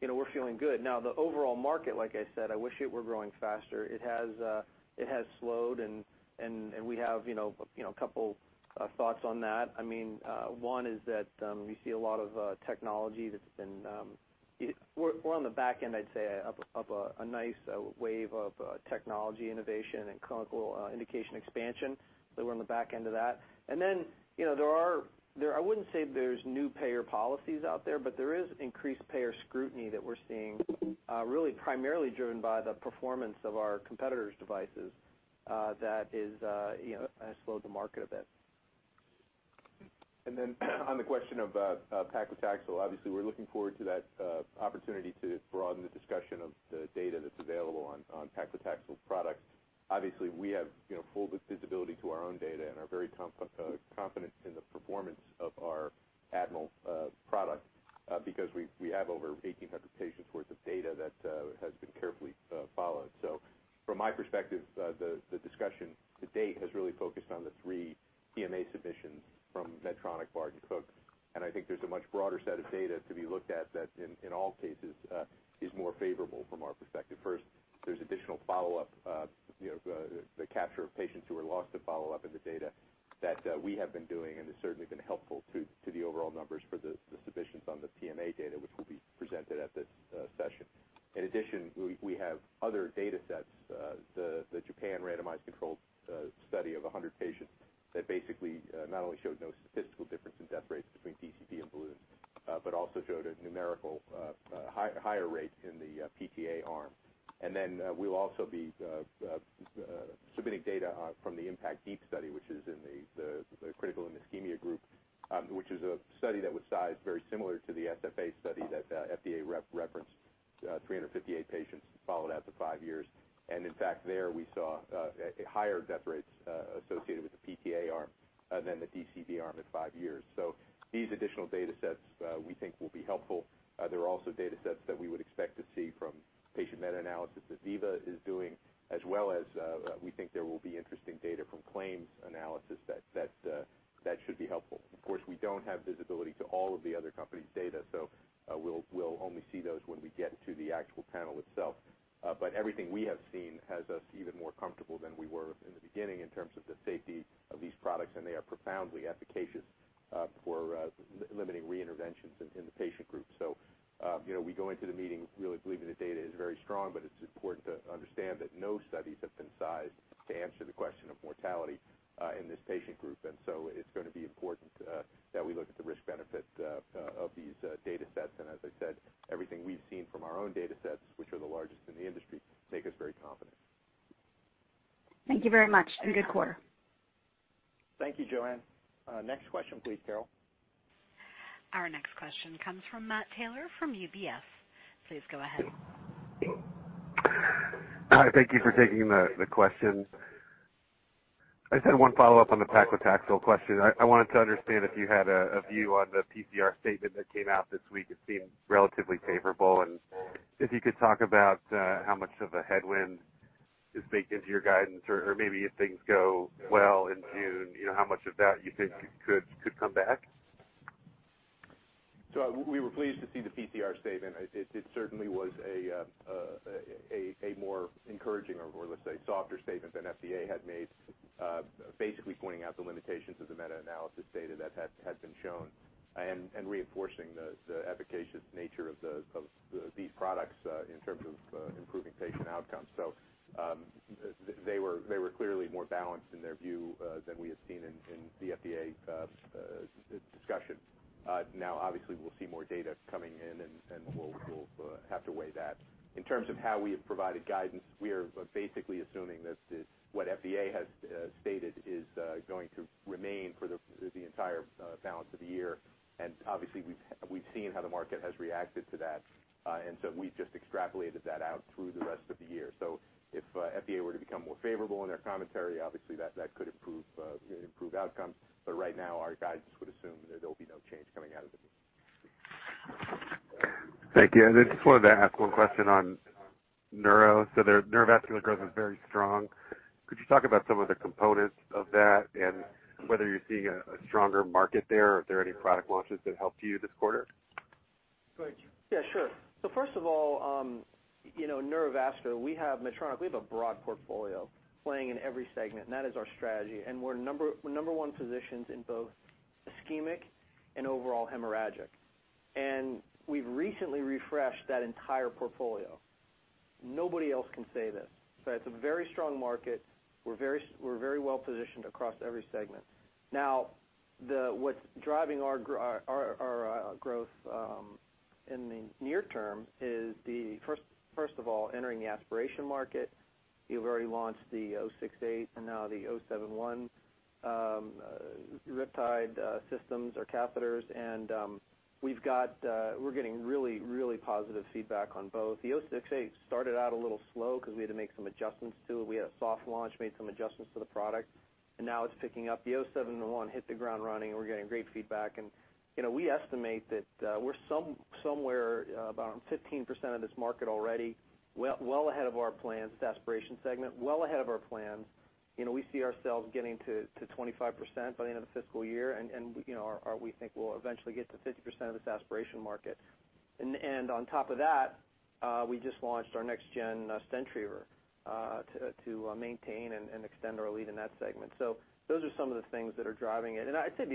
We're feeling good. The overall market, like I said, I wish it were growing faster. It has slowed. We have a couple thoughts on that. We're on the back end, I'd say, of a nice wave of technology innovation and clinical indication expansion. We're on the back end of that. Then, I wouldn't say there's new payer policies out there, but there is increased payer scrutiny that we're seeing, really primarily driven by the performance of our competitors' devices that has slowed the market a bit. On the question of paclitaxel, obviously, we're looking forward to that opportunity to broaden the discussion of the data that's available on paclitaxel products. Obviously, we have full visibility to our own data and are very confident in the performance of our Admiral product because we have over 1,800 patients worth of data that has been carefully followed. From my perspective, the discussion to date has really focused on the three PMA submissions from Medtronic, Bard, and Cook. I think there's a much broader set of data to be looked at that, in all cases, is more favorable from our perspective. First, there's additional follow-up, the capture of patients who were lost to follow-up in the data that we have been doing, and it's certainly been helpful to the overall numbers for the submissions on the PMA data, which will be presented at this session. In addition, we have other data sets, the Japan randomized controlled study of 100 patients that basically not only showed no statistical difference in death rates between DCB and balloon but also showed a numerical higher rate in the PTA arm. We'll also be submitting data from the IN.PACT DEEP study, which is in the critical ischemia group, which is a study that was sized very similar to the FFA study that the FDA referenced 358 patients followed out to five years. In fact, there we saw higher death rates is baked into your guidance or maybe if things go well in June, how much of that you think could come back? We were pleased to see the PCR statement. It certainly was a more encouraging or let's say, softer statement than FDA had made, basically pointing out the limitations of the meta-analysis data that had been shown and reinforcing the efficacious nature of these products in terms of improving patient outcomes. They were clearly more balanced in their view than we had seen in the FDA discussion. Obviously, we'll see more data coming in, and we'll have to weigh that. In terms of how we have provided guidance, we are basically assuming that what FDA has stated is going to remain for the entire balance of the year, and obviously, we've seen how the market has reacted to that, and so we've just extrapolated that out through the rest of the year. If FDA were to become more favorable in their commentary, obviously that could improve outcomes. Right now, our guidance would assume that there'll be no change coming out of the. Thank you. Just wanted to ask one question on neuro. Their neurovascular growth is very strong. Could you talk about some of the components of that and whether you're seeing a stronger market there? Are there any product launches that helped you this quarter? Go ahead, Geoff. First of all, neurovascular, Medtronic, we have a broad portfolio playing in every segment. That is our strategy. We're number one positioned in both ischemic and overall hemorrhagic. We've recently refreshed that entire portfolio. Nobody else can say this. It's a very strong market. We're very well-positioned across every segment. What's driving our growth in the near term is first of all, entering the aspiration market. We've already launched the 068 and now the 071 React systems or catheters, and we're getting really positive feedback on both. The 068 started out a little slow because we had to make some adjustments to it. We had a soft launch, made some adjustments to the product, and now it's picking up. The 071 hit the ground running. We're getting great feedback. We estimate that we're somewhere about 15% of this market already. Well ahead of our plans, this aspiration segment, well ahead of our plans. We see ourselves getting to 25% by the end of the fiscal year. We think we'll eventually get to 50% of this aspiration market. On top of that, we just launched our next-gen Solitaire to maintain and extend our lead in that segment. Those are some of the things that are driving it. I'd say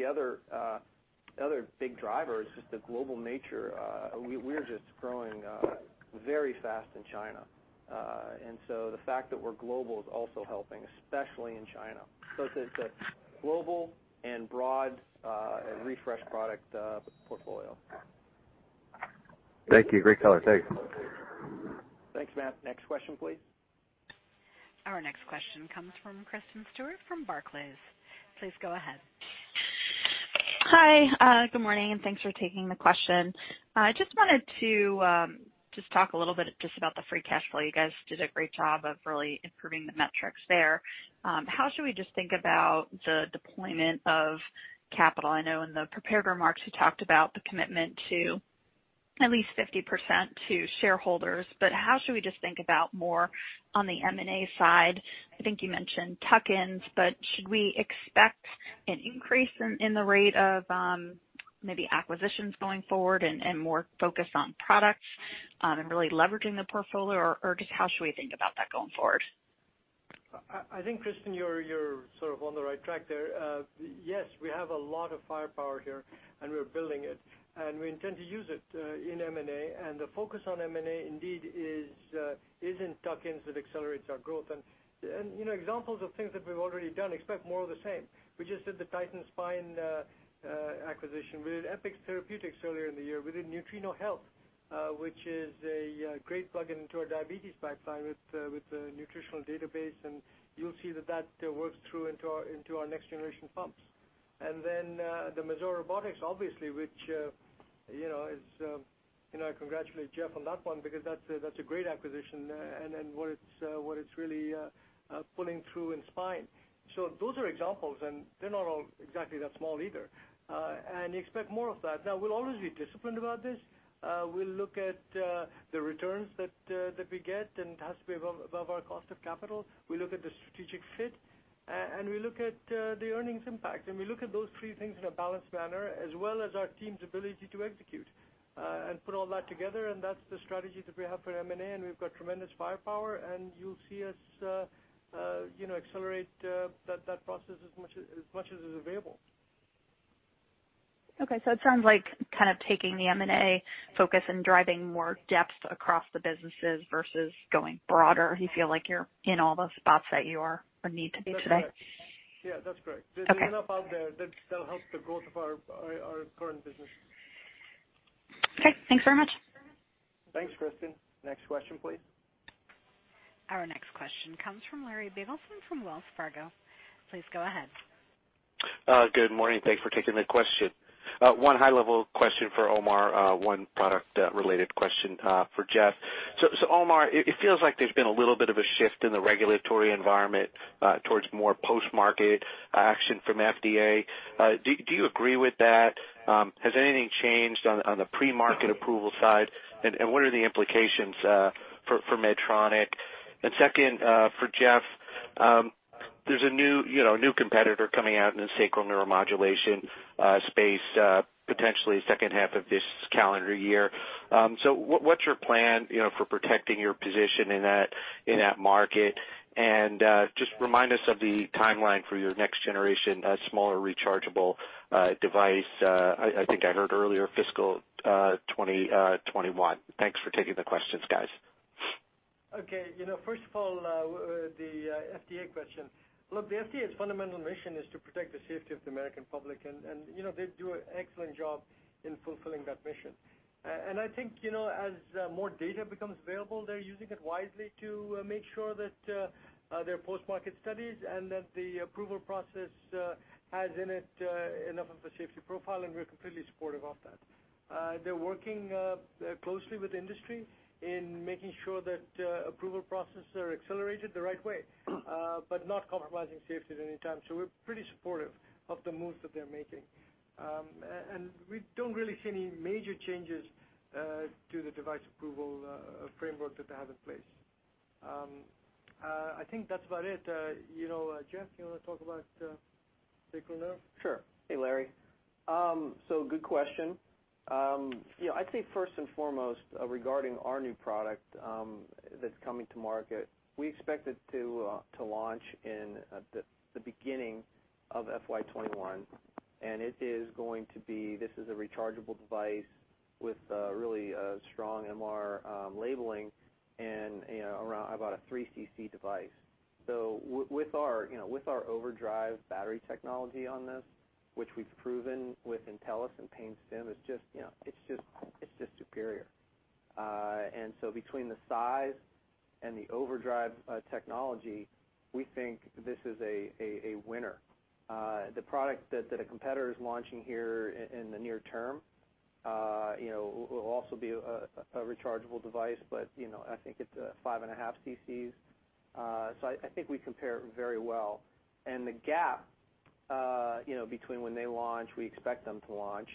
the other big driver is just the global nature. We're just growing very fast in China. The fact that we're global is also helping, especially in China. It's a global and broad refresh product portfolio. Thank you. Great color. Thanks. Thanks, Matt. Next question, please. Our next question comes from Kristen Stewart from Barclays. Please go ahead. Hi, good morning, and thanks for taking the question. I just wanted to just talk a little bit just about the free cash flow. You guys did a great job of really improving the metrics there. How should we just think about the deployment of capital? I know in the prepared remarks, you talked about the commitment to at least 50% to shareholders, but how should we just think about more on the M&A side? I think you mentioned tuck-ins, but should we expect an increase in the rate of maybe acquisitions going forward and more focus on products and really leveraging the portfolio, or just how should we think about that going forward? I think, Kristen, you're sort of on the right track there. Yes, we have a lot of firepower here, and we're building it, and we intend to use it in M&A. The focus on M&A indeed is in tuck-ins that accelerates our growth. Examples of things that we've already done, expect more of the same. We just did the Titan Spine acquisition. We did EPIX Therapeutics earlier in the year. We did Nutrino Health, which is a great plugin into our diabetes pipeline with the nutritional database, and you'll see that that works through into our next-generation pumps. The Mazor Robotics, obviously, I congratulate Geoff on that one because that's a great acquisition and what it's really pulling through in spine. Those are examples, and they're not all exactly that small either. Expect more of that. Now, we'll always be disciplined about this. We'll look at the returns that we get. It has to be above our cost of capital. We look at the strategic fit. We look at the earnings impact. We look at those three things in a balanced manner, as well as our team's ability to execute. Put all that together, that's the strategy that we have for M&A. We've got tremendous firepower. You'll see us accelerate that process as much as is available. Okay, it sounds like kind of taking the M&A focus and driving more depth across the businesses versus going broader. You feel like you're in all the spots that you are or need to be today? That's correct. Yeah, that's correct. Okay. There's enough out there that'll help the growth of our current business. Okay, thanks very much. Thanks, Kristen. Next question, please. Our next question comes from Larry Biegelsen from Wells Fargo. Please go ahead. Good morning. Thanks for taking the question. One high-level question for Omar, one product-related question for Geoff. Omar, it feels like there's been a little bit of a shift in the regulatory environment towards more post-market action from FDA. Do you agree with that? Has anything changed on the pre-market approval side, and what are the implications for Medtronic? Second, for Geoff, there's a new competitor coming out in the sacral neuromodulation space, potentially second half of this calendar year. What's your plan for protecting your position in that market? And just remind us of the timeline for your next generation smaller rechargeable device. I think I heard earlier fiscal 2021. Thanks for taking the questions, guys. Okay. First of all, the FDA question. Look, the FDA's fundamental mission is to protect the safety of the American public, and they do an excellent job in fulfilling that mission. I think, as more data becomes available, they're using it wisely to make sure that their post-market studies and that the approval process has in it enough of a safety profile, and we're completely supportive of that. They're working closely with the industry in making sure that approval processes are accelerated the right way but not compromising safety at any time. We're pretty supportive of the moves that they're making. We don't really see any major changes to the device approval framework that they have in place. I think that's about it. Geoff, you want to talk about Sacro Neuro? Sure. Hey, Larry. Good question. I'd say first and foremost, regarding our new product that's coming to market, we expect it to launch in the beginning of FY 2021, this is a rechargeable device with a really strong MR labeling and about a 3cc device. With our OverDrive battery technology on this, which we've proven with Intellis and PainStim, it's just superior. Between the size and the OverDrive technology, we think this is a winner. The product that a competitor is launching here in the near term will also be a rechargeable device, but I think it's a 5.5 cc. I think we compare very well. The gap between when they launch, we expect them to launch.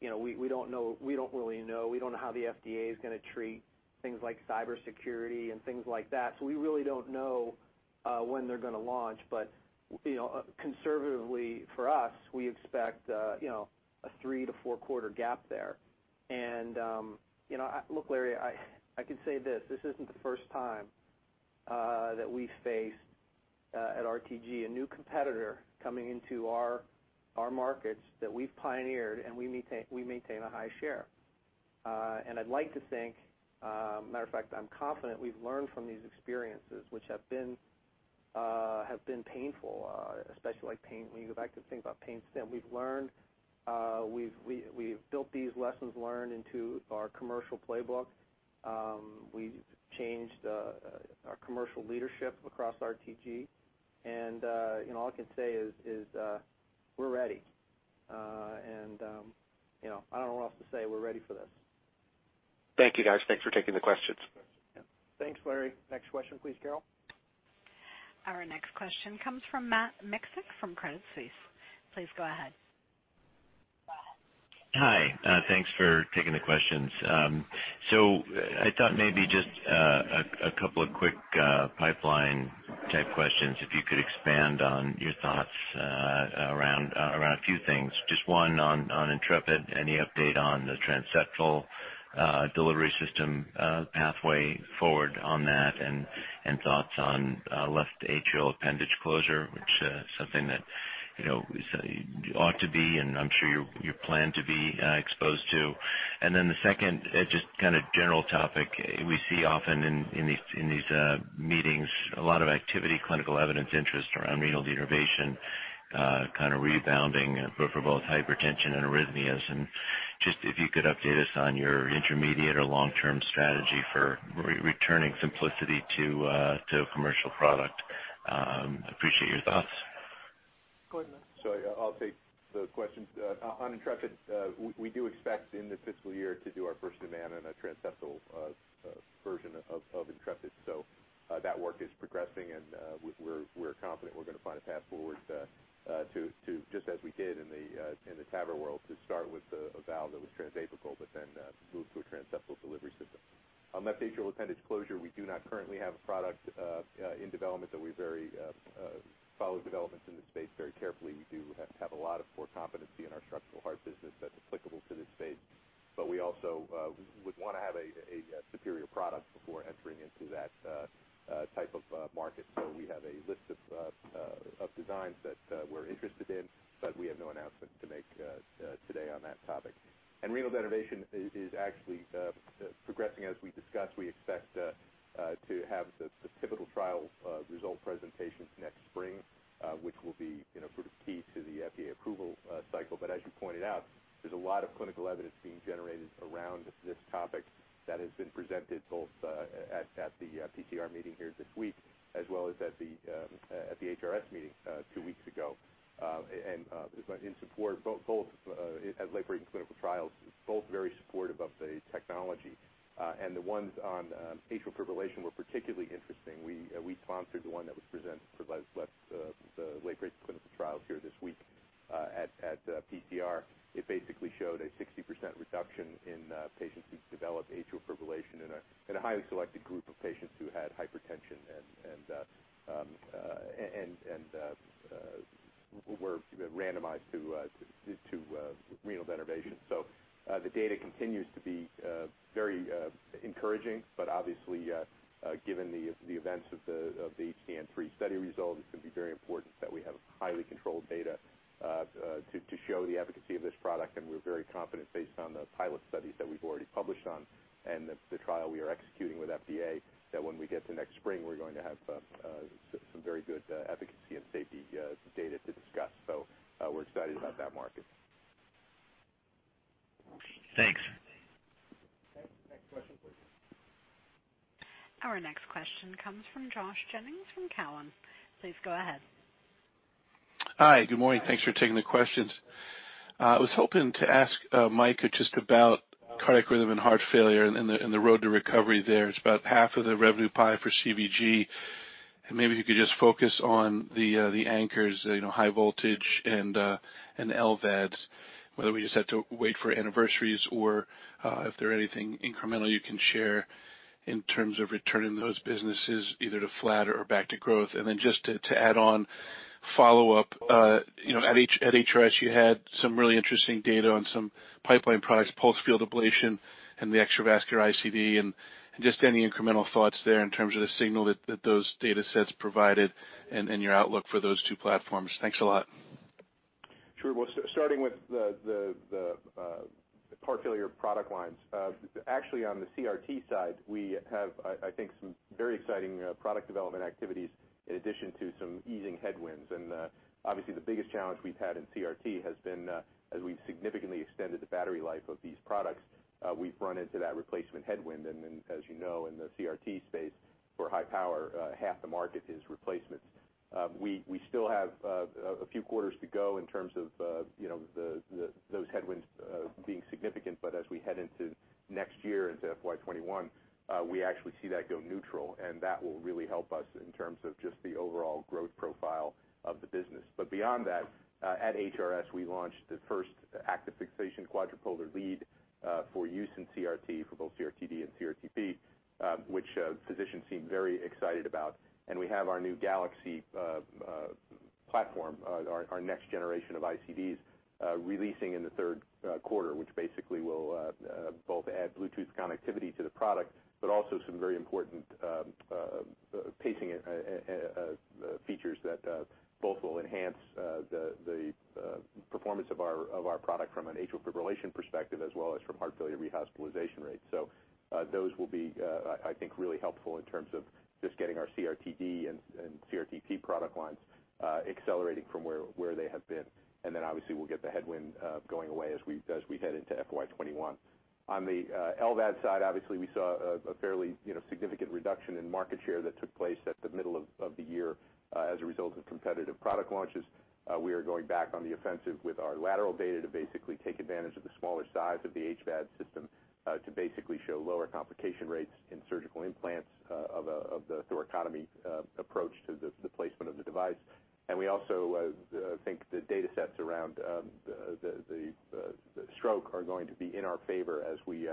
We don't really know. We don't know how the FDA is going to treat things like cybersecurity and things like that. We really don't know when they're going to launch. Conservatively for us, we expect a three to four quarter gap there. Look, Larry, I can say this isn't the first time that we faced at RTG a new competitor coming into our markets that we've pioneered and we maintain a high share. I'd like to think, matter of fact, I'm confident we've learned from these experiences, which have been painful, especially like pain. When you go back to think about PainStim, we've learned, we've built these lessons learned into our commercial playbook. We've changed our commercial leadership across RTG, and all I can say is we're ready. I don't know what else to say. We're ready for this. Thank you, guys. Thanks for taking the questions. Yeah. Thanks, Larry. Next question please, Carol. Our next question comes from Matt Miksic from Credit Suisse. Please go ahead. Hi. Thanks for taking the questions. I thought maybe just a couple of quick pipeline type questions, if you could expand on your thoughts around a few things. Just one on Intrepid. Any update on the transseptal delivery system pathway forward on that and thoughts on left atrial appendage closure, which is something that ought to be, and I'm sure you plan to be exposed to. Then the second, just kind of general topic we see often in these meetings, a lot of activity, clinical evidence interest around renal denervation kind of rebounding for both hypertension and arrhythmias and Just if you could update us on your intermediate or long-term strategy for returning Symplicity to a commercial product. Appreciate your thoughts. Go ahead, Mike. I'll take the question. On Intrepid, we do expect in this fiscal year to do our first in human and a transseptal version of Intrepid. That work is progressing, and we're confident we're going to find a path forward to, just as we did in the TAVR world, to start with a valve that was transapical but then move to a transseptal delivery system. On left atrial appendage closure, we do not currently have a product in development, though we follow developments in this space very carefully. We do have a lot of core competency in our structural heart business that's applicable to this space. We also would want to have a superior product before entering into that type of market. We have a list of designs that we're interested in, but we have no announcement to make today on that topic. Renal denervation is actually progressing as we discuss. We expect to have the pivotal trial result presentations next spring, which will be key to the FDA approval cycle. As you pointed out, there's a lot of clinical evidence being generated around this topic that has been presented both at the PCR meeting here this week, as well as at the HRS meeting two weeks ago. In support, both at late-breaking clinical trials, both very supportive of the technology. The ones on atrial fibrillation were particularly interesting. We sponsored the one that was presented for the late-breaking clinical trials here this week at PCR. It basically showed a 60% reduction in patients who develop atrial fibrillation in a highly selected group of patients who had hypertension and were randomized to renal denervation. The data continues to be very encouraging, but obviously, given the events of the HTN-3 study result, it's going to be very important that we have highly controlled data to show the efficacy of this product. We're very confident based on the pilot studies that we've already published on and the trial we are executing with FDA, that when we get to next spring, we're going to have some very good efficacy and safety data to discuss. We're excited about that market. Thanks. Next question, please. Our next question comes from Josh Jennings from Cowen. Please go ahead. Hi, good morning. Thanks for taking the questions. I was hoping to ask Mike just about cardiac rhythm and heart failure and the road to recovery there. It's about half of the revenue pie for CVG. Maybe you could just focus on the anchors, high voltage and LVADs, whether we just have to wait for anniversaries or if there are anything incremental you can share in terms of returning those businesses either to flat or back to growth. Then just to add on follow up, at HRS you had some really interesting data on some pipeline products, pulse field ablation, and the extravascular ICD, and just any incremental thoughts there in terms of the signal that those data sets provided and your outlook for those two platforms. Thanks a lot. Sure. Well, starting with the heart failure product lines. Actually on the CRT side, we have some very exciting product development activities in addition to some easing headwinds. Obviously the biggest challenge we've had in CRT has been as we've significantly extended the battery life of these products, we've run into that replacement headwind. As you know, in the CRT space for high power, half the market is replacements. We still have a few quarters to go in terms of those headwinds being significant, but as we head into next year, into FY 2021, we actually see that go neutral, and that will really help us in terms of just the overall growth profile of the business. Beyond that, at HRS, we launched the first active fixation quadripolar lead for use in CRT for both CRTD and CRTP, which physicians seem very excited about. We have our new Galaxy platform, our next generation of ICDs, releasing in the third quarter, which will both add Bluetooth connectivity to the product, but also some very important pacing features that will enhance the performance of our product from an atrial fibrillation perspective, as well as from heart failure rehospitalization rates. Those will be, I think, really helpful in terms of just getting our CRTD and CRTP product lines accelerating from where they have been. We'll get the headwind going away as we head into FY 2021. On the LVAD side, we saw a fairly significant reduction in market share that took place at the middle of the year as a result of competitive product launches. We are going back on the offensive with our LATERAL data to basically take advantage of the smaller size of the HVAD system to show lower complication rates in surgical implants of the thoracotomy approach to the placement of the device. We also think the data sets around the stroke are going to be in our favor as we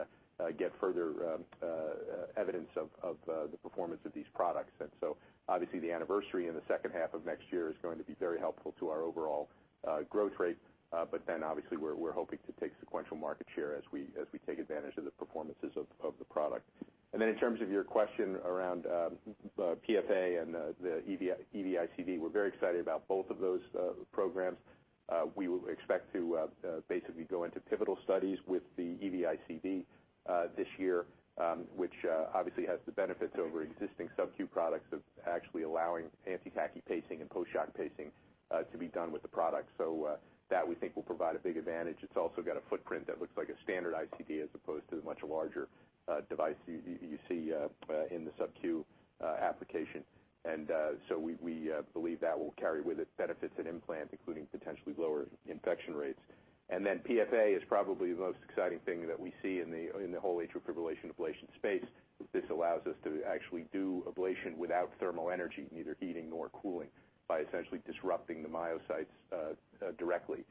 get further evidence of the performance of these products. The anniversary in the second half of next year is going to be very helpful to our overall growth rate. We're hoping to take sequential market share as we take advantage of the performances of the product. In terms of your question around PFA and the EV-ICD, we're very excited about both of those programs. We expect to go into pivotal studies with the EV-ICD this year, which has the benefits over existing sub-q products of actually allowing anti-tachy pacing and post-shock pacing to be done with the product. That we think will provide a big advantage. It's also got a footprint that looks like a standard ICD as opposed to the much larger device you see in the sub-q application. We believe that will carry with it benefits at implant, including potentially lower infection rates. PFA is probably the most exciting thing that we see in the whole atrial fibrillation ablation space. This allows us to actually do ablation without thermal energy, neither heating nor cooling, by essentially disrupting the myocytes directly,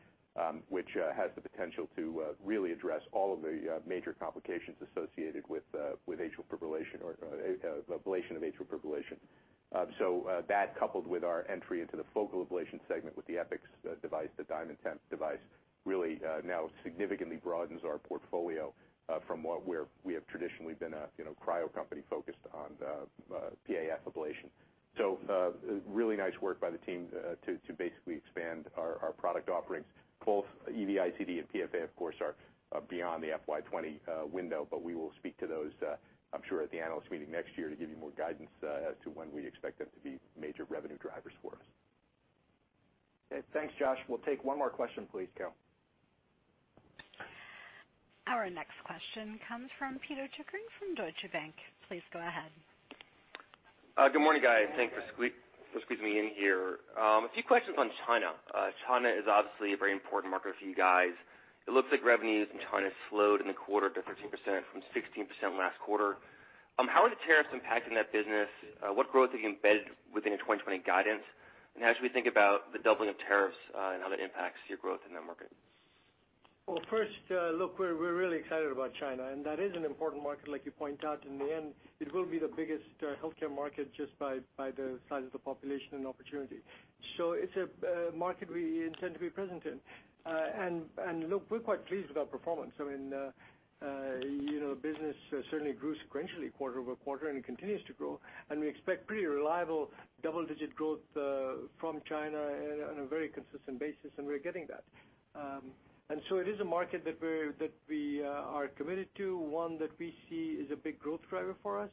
which has the potential to really address all of the major complications associated with atrial fibrillation or ablation of atrial fibrillation. That, coupled with our entry into the focal ablation segment with the Epix device, the DiamondTemp device, really now significantly broadens our portfolio from what we have traditionally been a cryo company focused on PAF ablation. Really nice work by the team to expand our product offerings. Both EV-ICD and PFA, of course, are beyond the FY 2020 window, we will speak to those, I'm sure, at the analyst meeting next year to give you more guidance as to when we expect them to be major revenue drivers for us. Okay, thanks, Josh. We'll take one more question, please, Carol. Our next question comes from Pito Chickering from Deutsche Bank. Please go ahead. Good morning, guys. Thanks for squeezing me in here. A few questions on China. China is obviously a very important market for you guys. It looks like revenues in China slowed in the quarter to 13% from 16% last quarter. How are the tariffs impacting that business? What growth have you embedded within the 2020 guidance? As we think about the doubling of tariffs and how that impacts your growth in that market. Well, first, look, we're really excited about China. That is an important market, like you point out. In the end, it will be the biggest healthcare market just by the size of the population and opportunity. It's a market we intend to be present in. Look, we're quite pleased with our performance. Business certainly grew sequentially quarter-over-quarter and continues to grow, and we expect pretty reliable double-digit growth from China on a very consistent basis, and we're getting that. It is a market that we are committed to, one that we see is a big growth driver for us.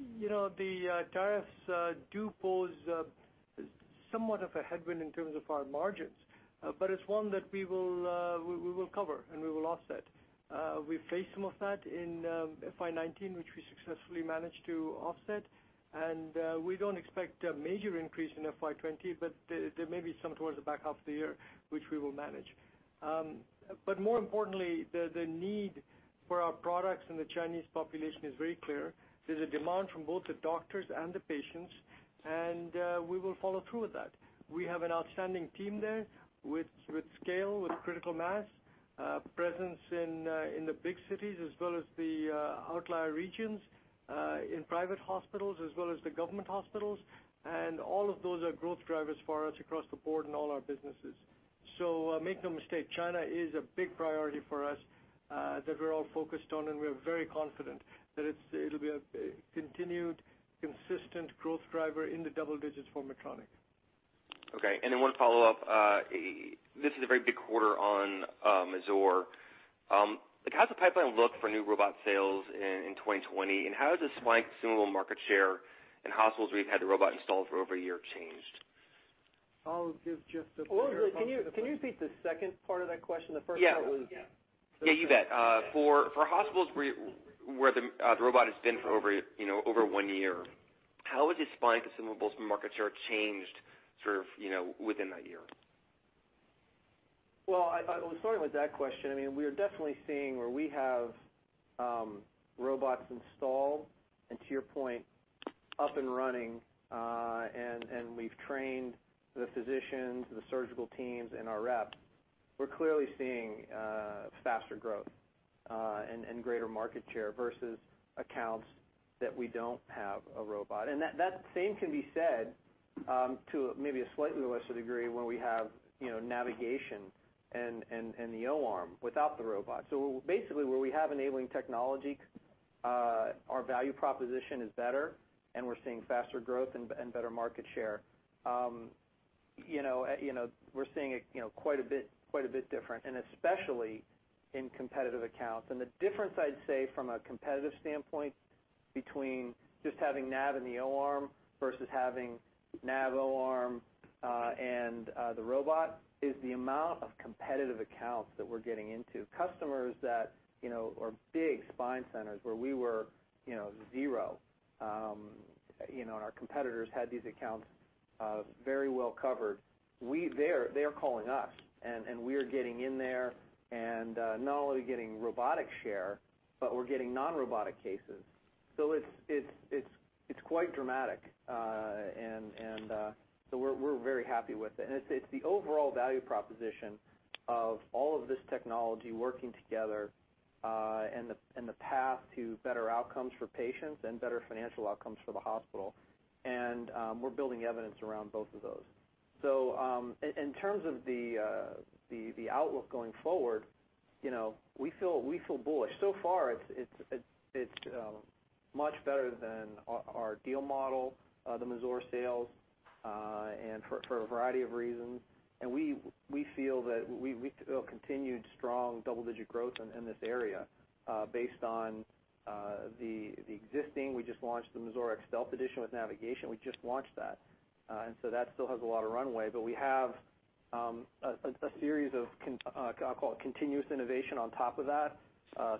The tariffs do pose somewhat of a headwind in terms of our margins, but it's one that we will cover and we will offset. We faced some of that in FY 2019, which we successfully managed to offset. We don't expect a major increase in FY 2020, but there may be some towards the back half of the year, which we will manage. More importantly, the need for our products in the Chinese population is very clear. There's a demand from both the doctors and the patients, and we will follow through with that. We have an outstanding team there with scale, with critical mass, presence in the big cities as well as the outlier regions, in private hospitals as well as the government hospitals, and all of those are growth drivers for us across the board in all our businesses. Make no mistake, China is a big priority for us that we're all focused on, and we are very confident that it'll be a continued, consistent growth driver in the double digits for Medtronic. One follow-up. This is a very big quarter on Mazor. How does the pipeline look for new robot sales in 2020, and how has the spine consumable market share in hospitals where you've had the robot installed for over a year changed? I'll give just the- Can you repeat the second part of that question? Yeah, you bet. For hospitals where the robot has been for over one year, how has your spine consumables market share changed within that year? Well, starting with that question, we are definitely seeing where we have robots installed, and to your point, up and running, and we have trained the physicians, the surgical teams, and our reps. We are clearly seeing faster growth and greater market share versus accounts that we do not have a robot. That same can be said to maybe a slightly lesser degree when we have navigation and the O-arm without the robot. Basically, where we have enabling technology, our value proposition is better, and we are seeing faster growth and better market share. We are seeing it quite a bit different, and especially in competitive accounts. The difference, I would say, from a competitive standpoint between just having nav and the O-arm versus having nav, O-arm, and the robot is the amount of competitive accounts that we are getting into. Customers that are big spine centers where we were zero. Our competitors had these accounts very well covered. They are calling us, and we are getting in there and not only getting robotic share, but we are getting non-robotic cases. It is quite dramatic. We are very happy with it. It is the overall value proposition of all of this technology working together and the path to better outcomes for patients and better financial outcomes for the hospital. We are building evidence around both of those. In terms of the outlook going forward, we feel bullish. Far it is much better than our deal model, the Mazor sales, and for a variety of reasons. We feel that we build continued strong double-digit growth in this area based on the existing. We just launched the Mazor X Stealth Edition with navigation. We just launched that. That still has a lot of runway, but we have a series of, I will call it continuous innovation on top of that.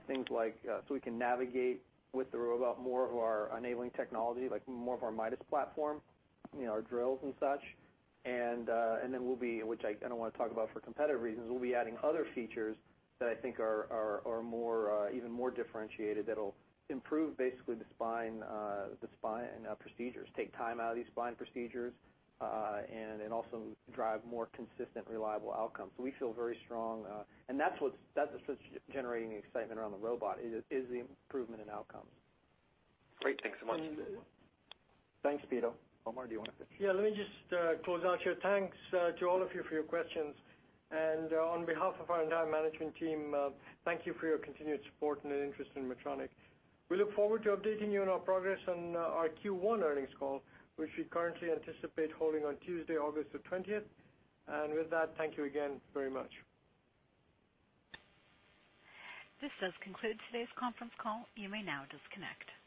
Things like, we can navigate with the robot more of our enabling technology, like more of our Midas platform, our drills and such. Then we will be, which I do not want to talk about for competitive reasons, we will be adding other features that I think are even more differentiated that will improve basically the spine procedures, take time out of these spine procedures, and then also drive more consistent, reliable outcomes. We feel very strong. That is what is generating the excitement around the robot is the improvement in outcomes. Great. Thanks so much. Thanks, Pito. Omar, do you want to? Yeah. Let me just close out here. Thanks to all of you for your questions. On behalf of our entire management team, thank you for your continued support and interest in Medtronic. We look forward to updating you on our progress on our Q1 earnings call, which we currently anticipate holding on Tuesday, August the 20th. With that, thank you again very much. This does conclude today's conference call. You may now disconnect.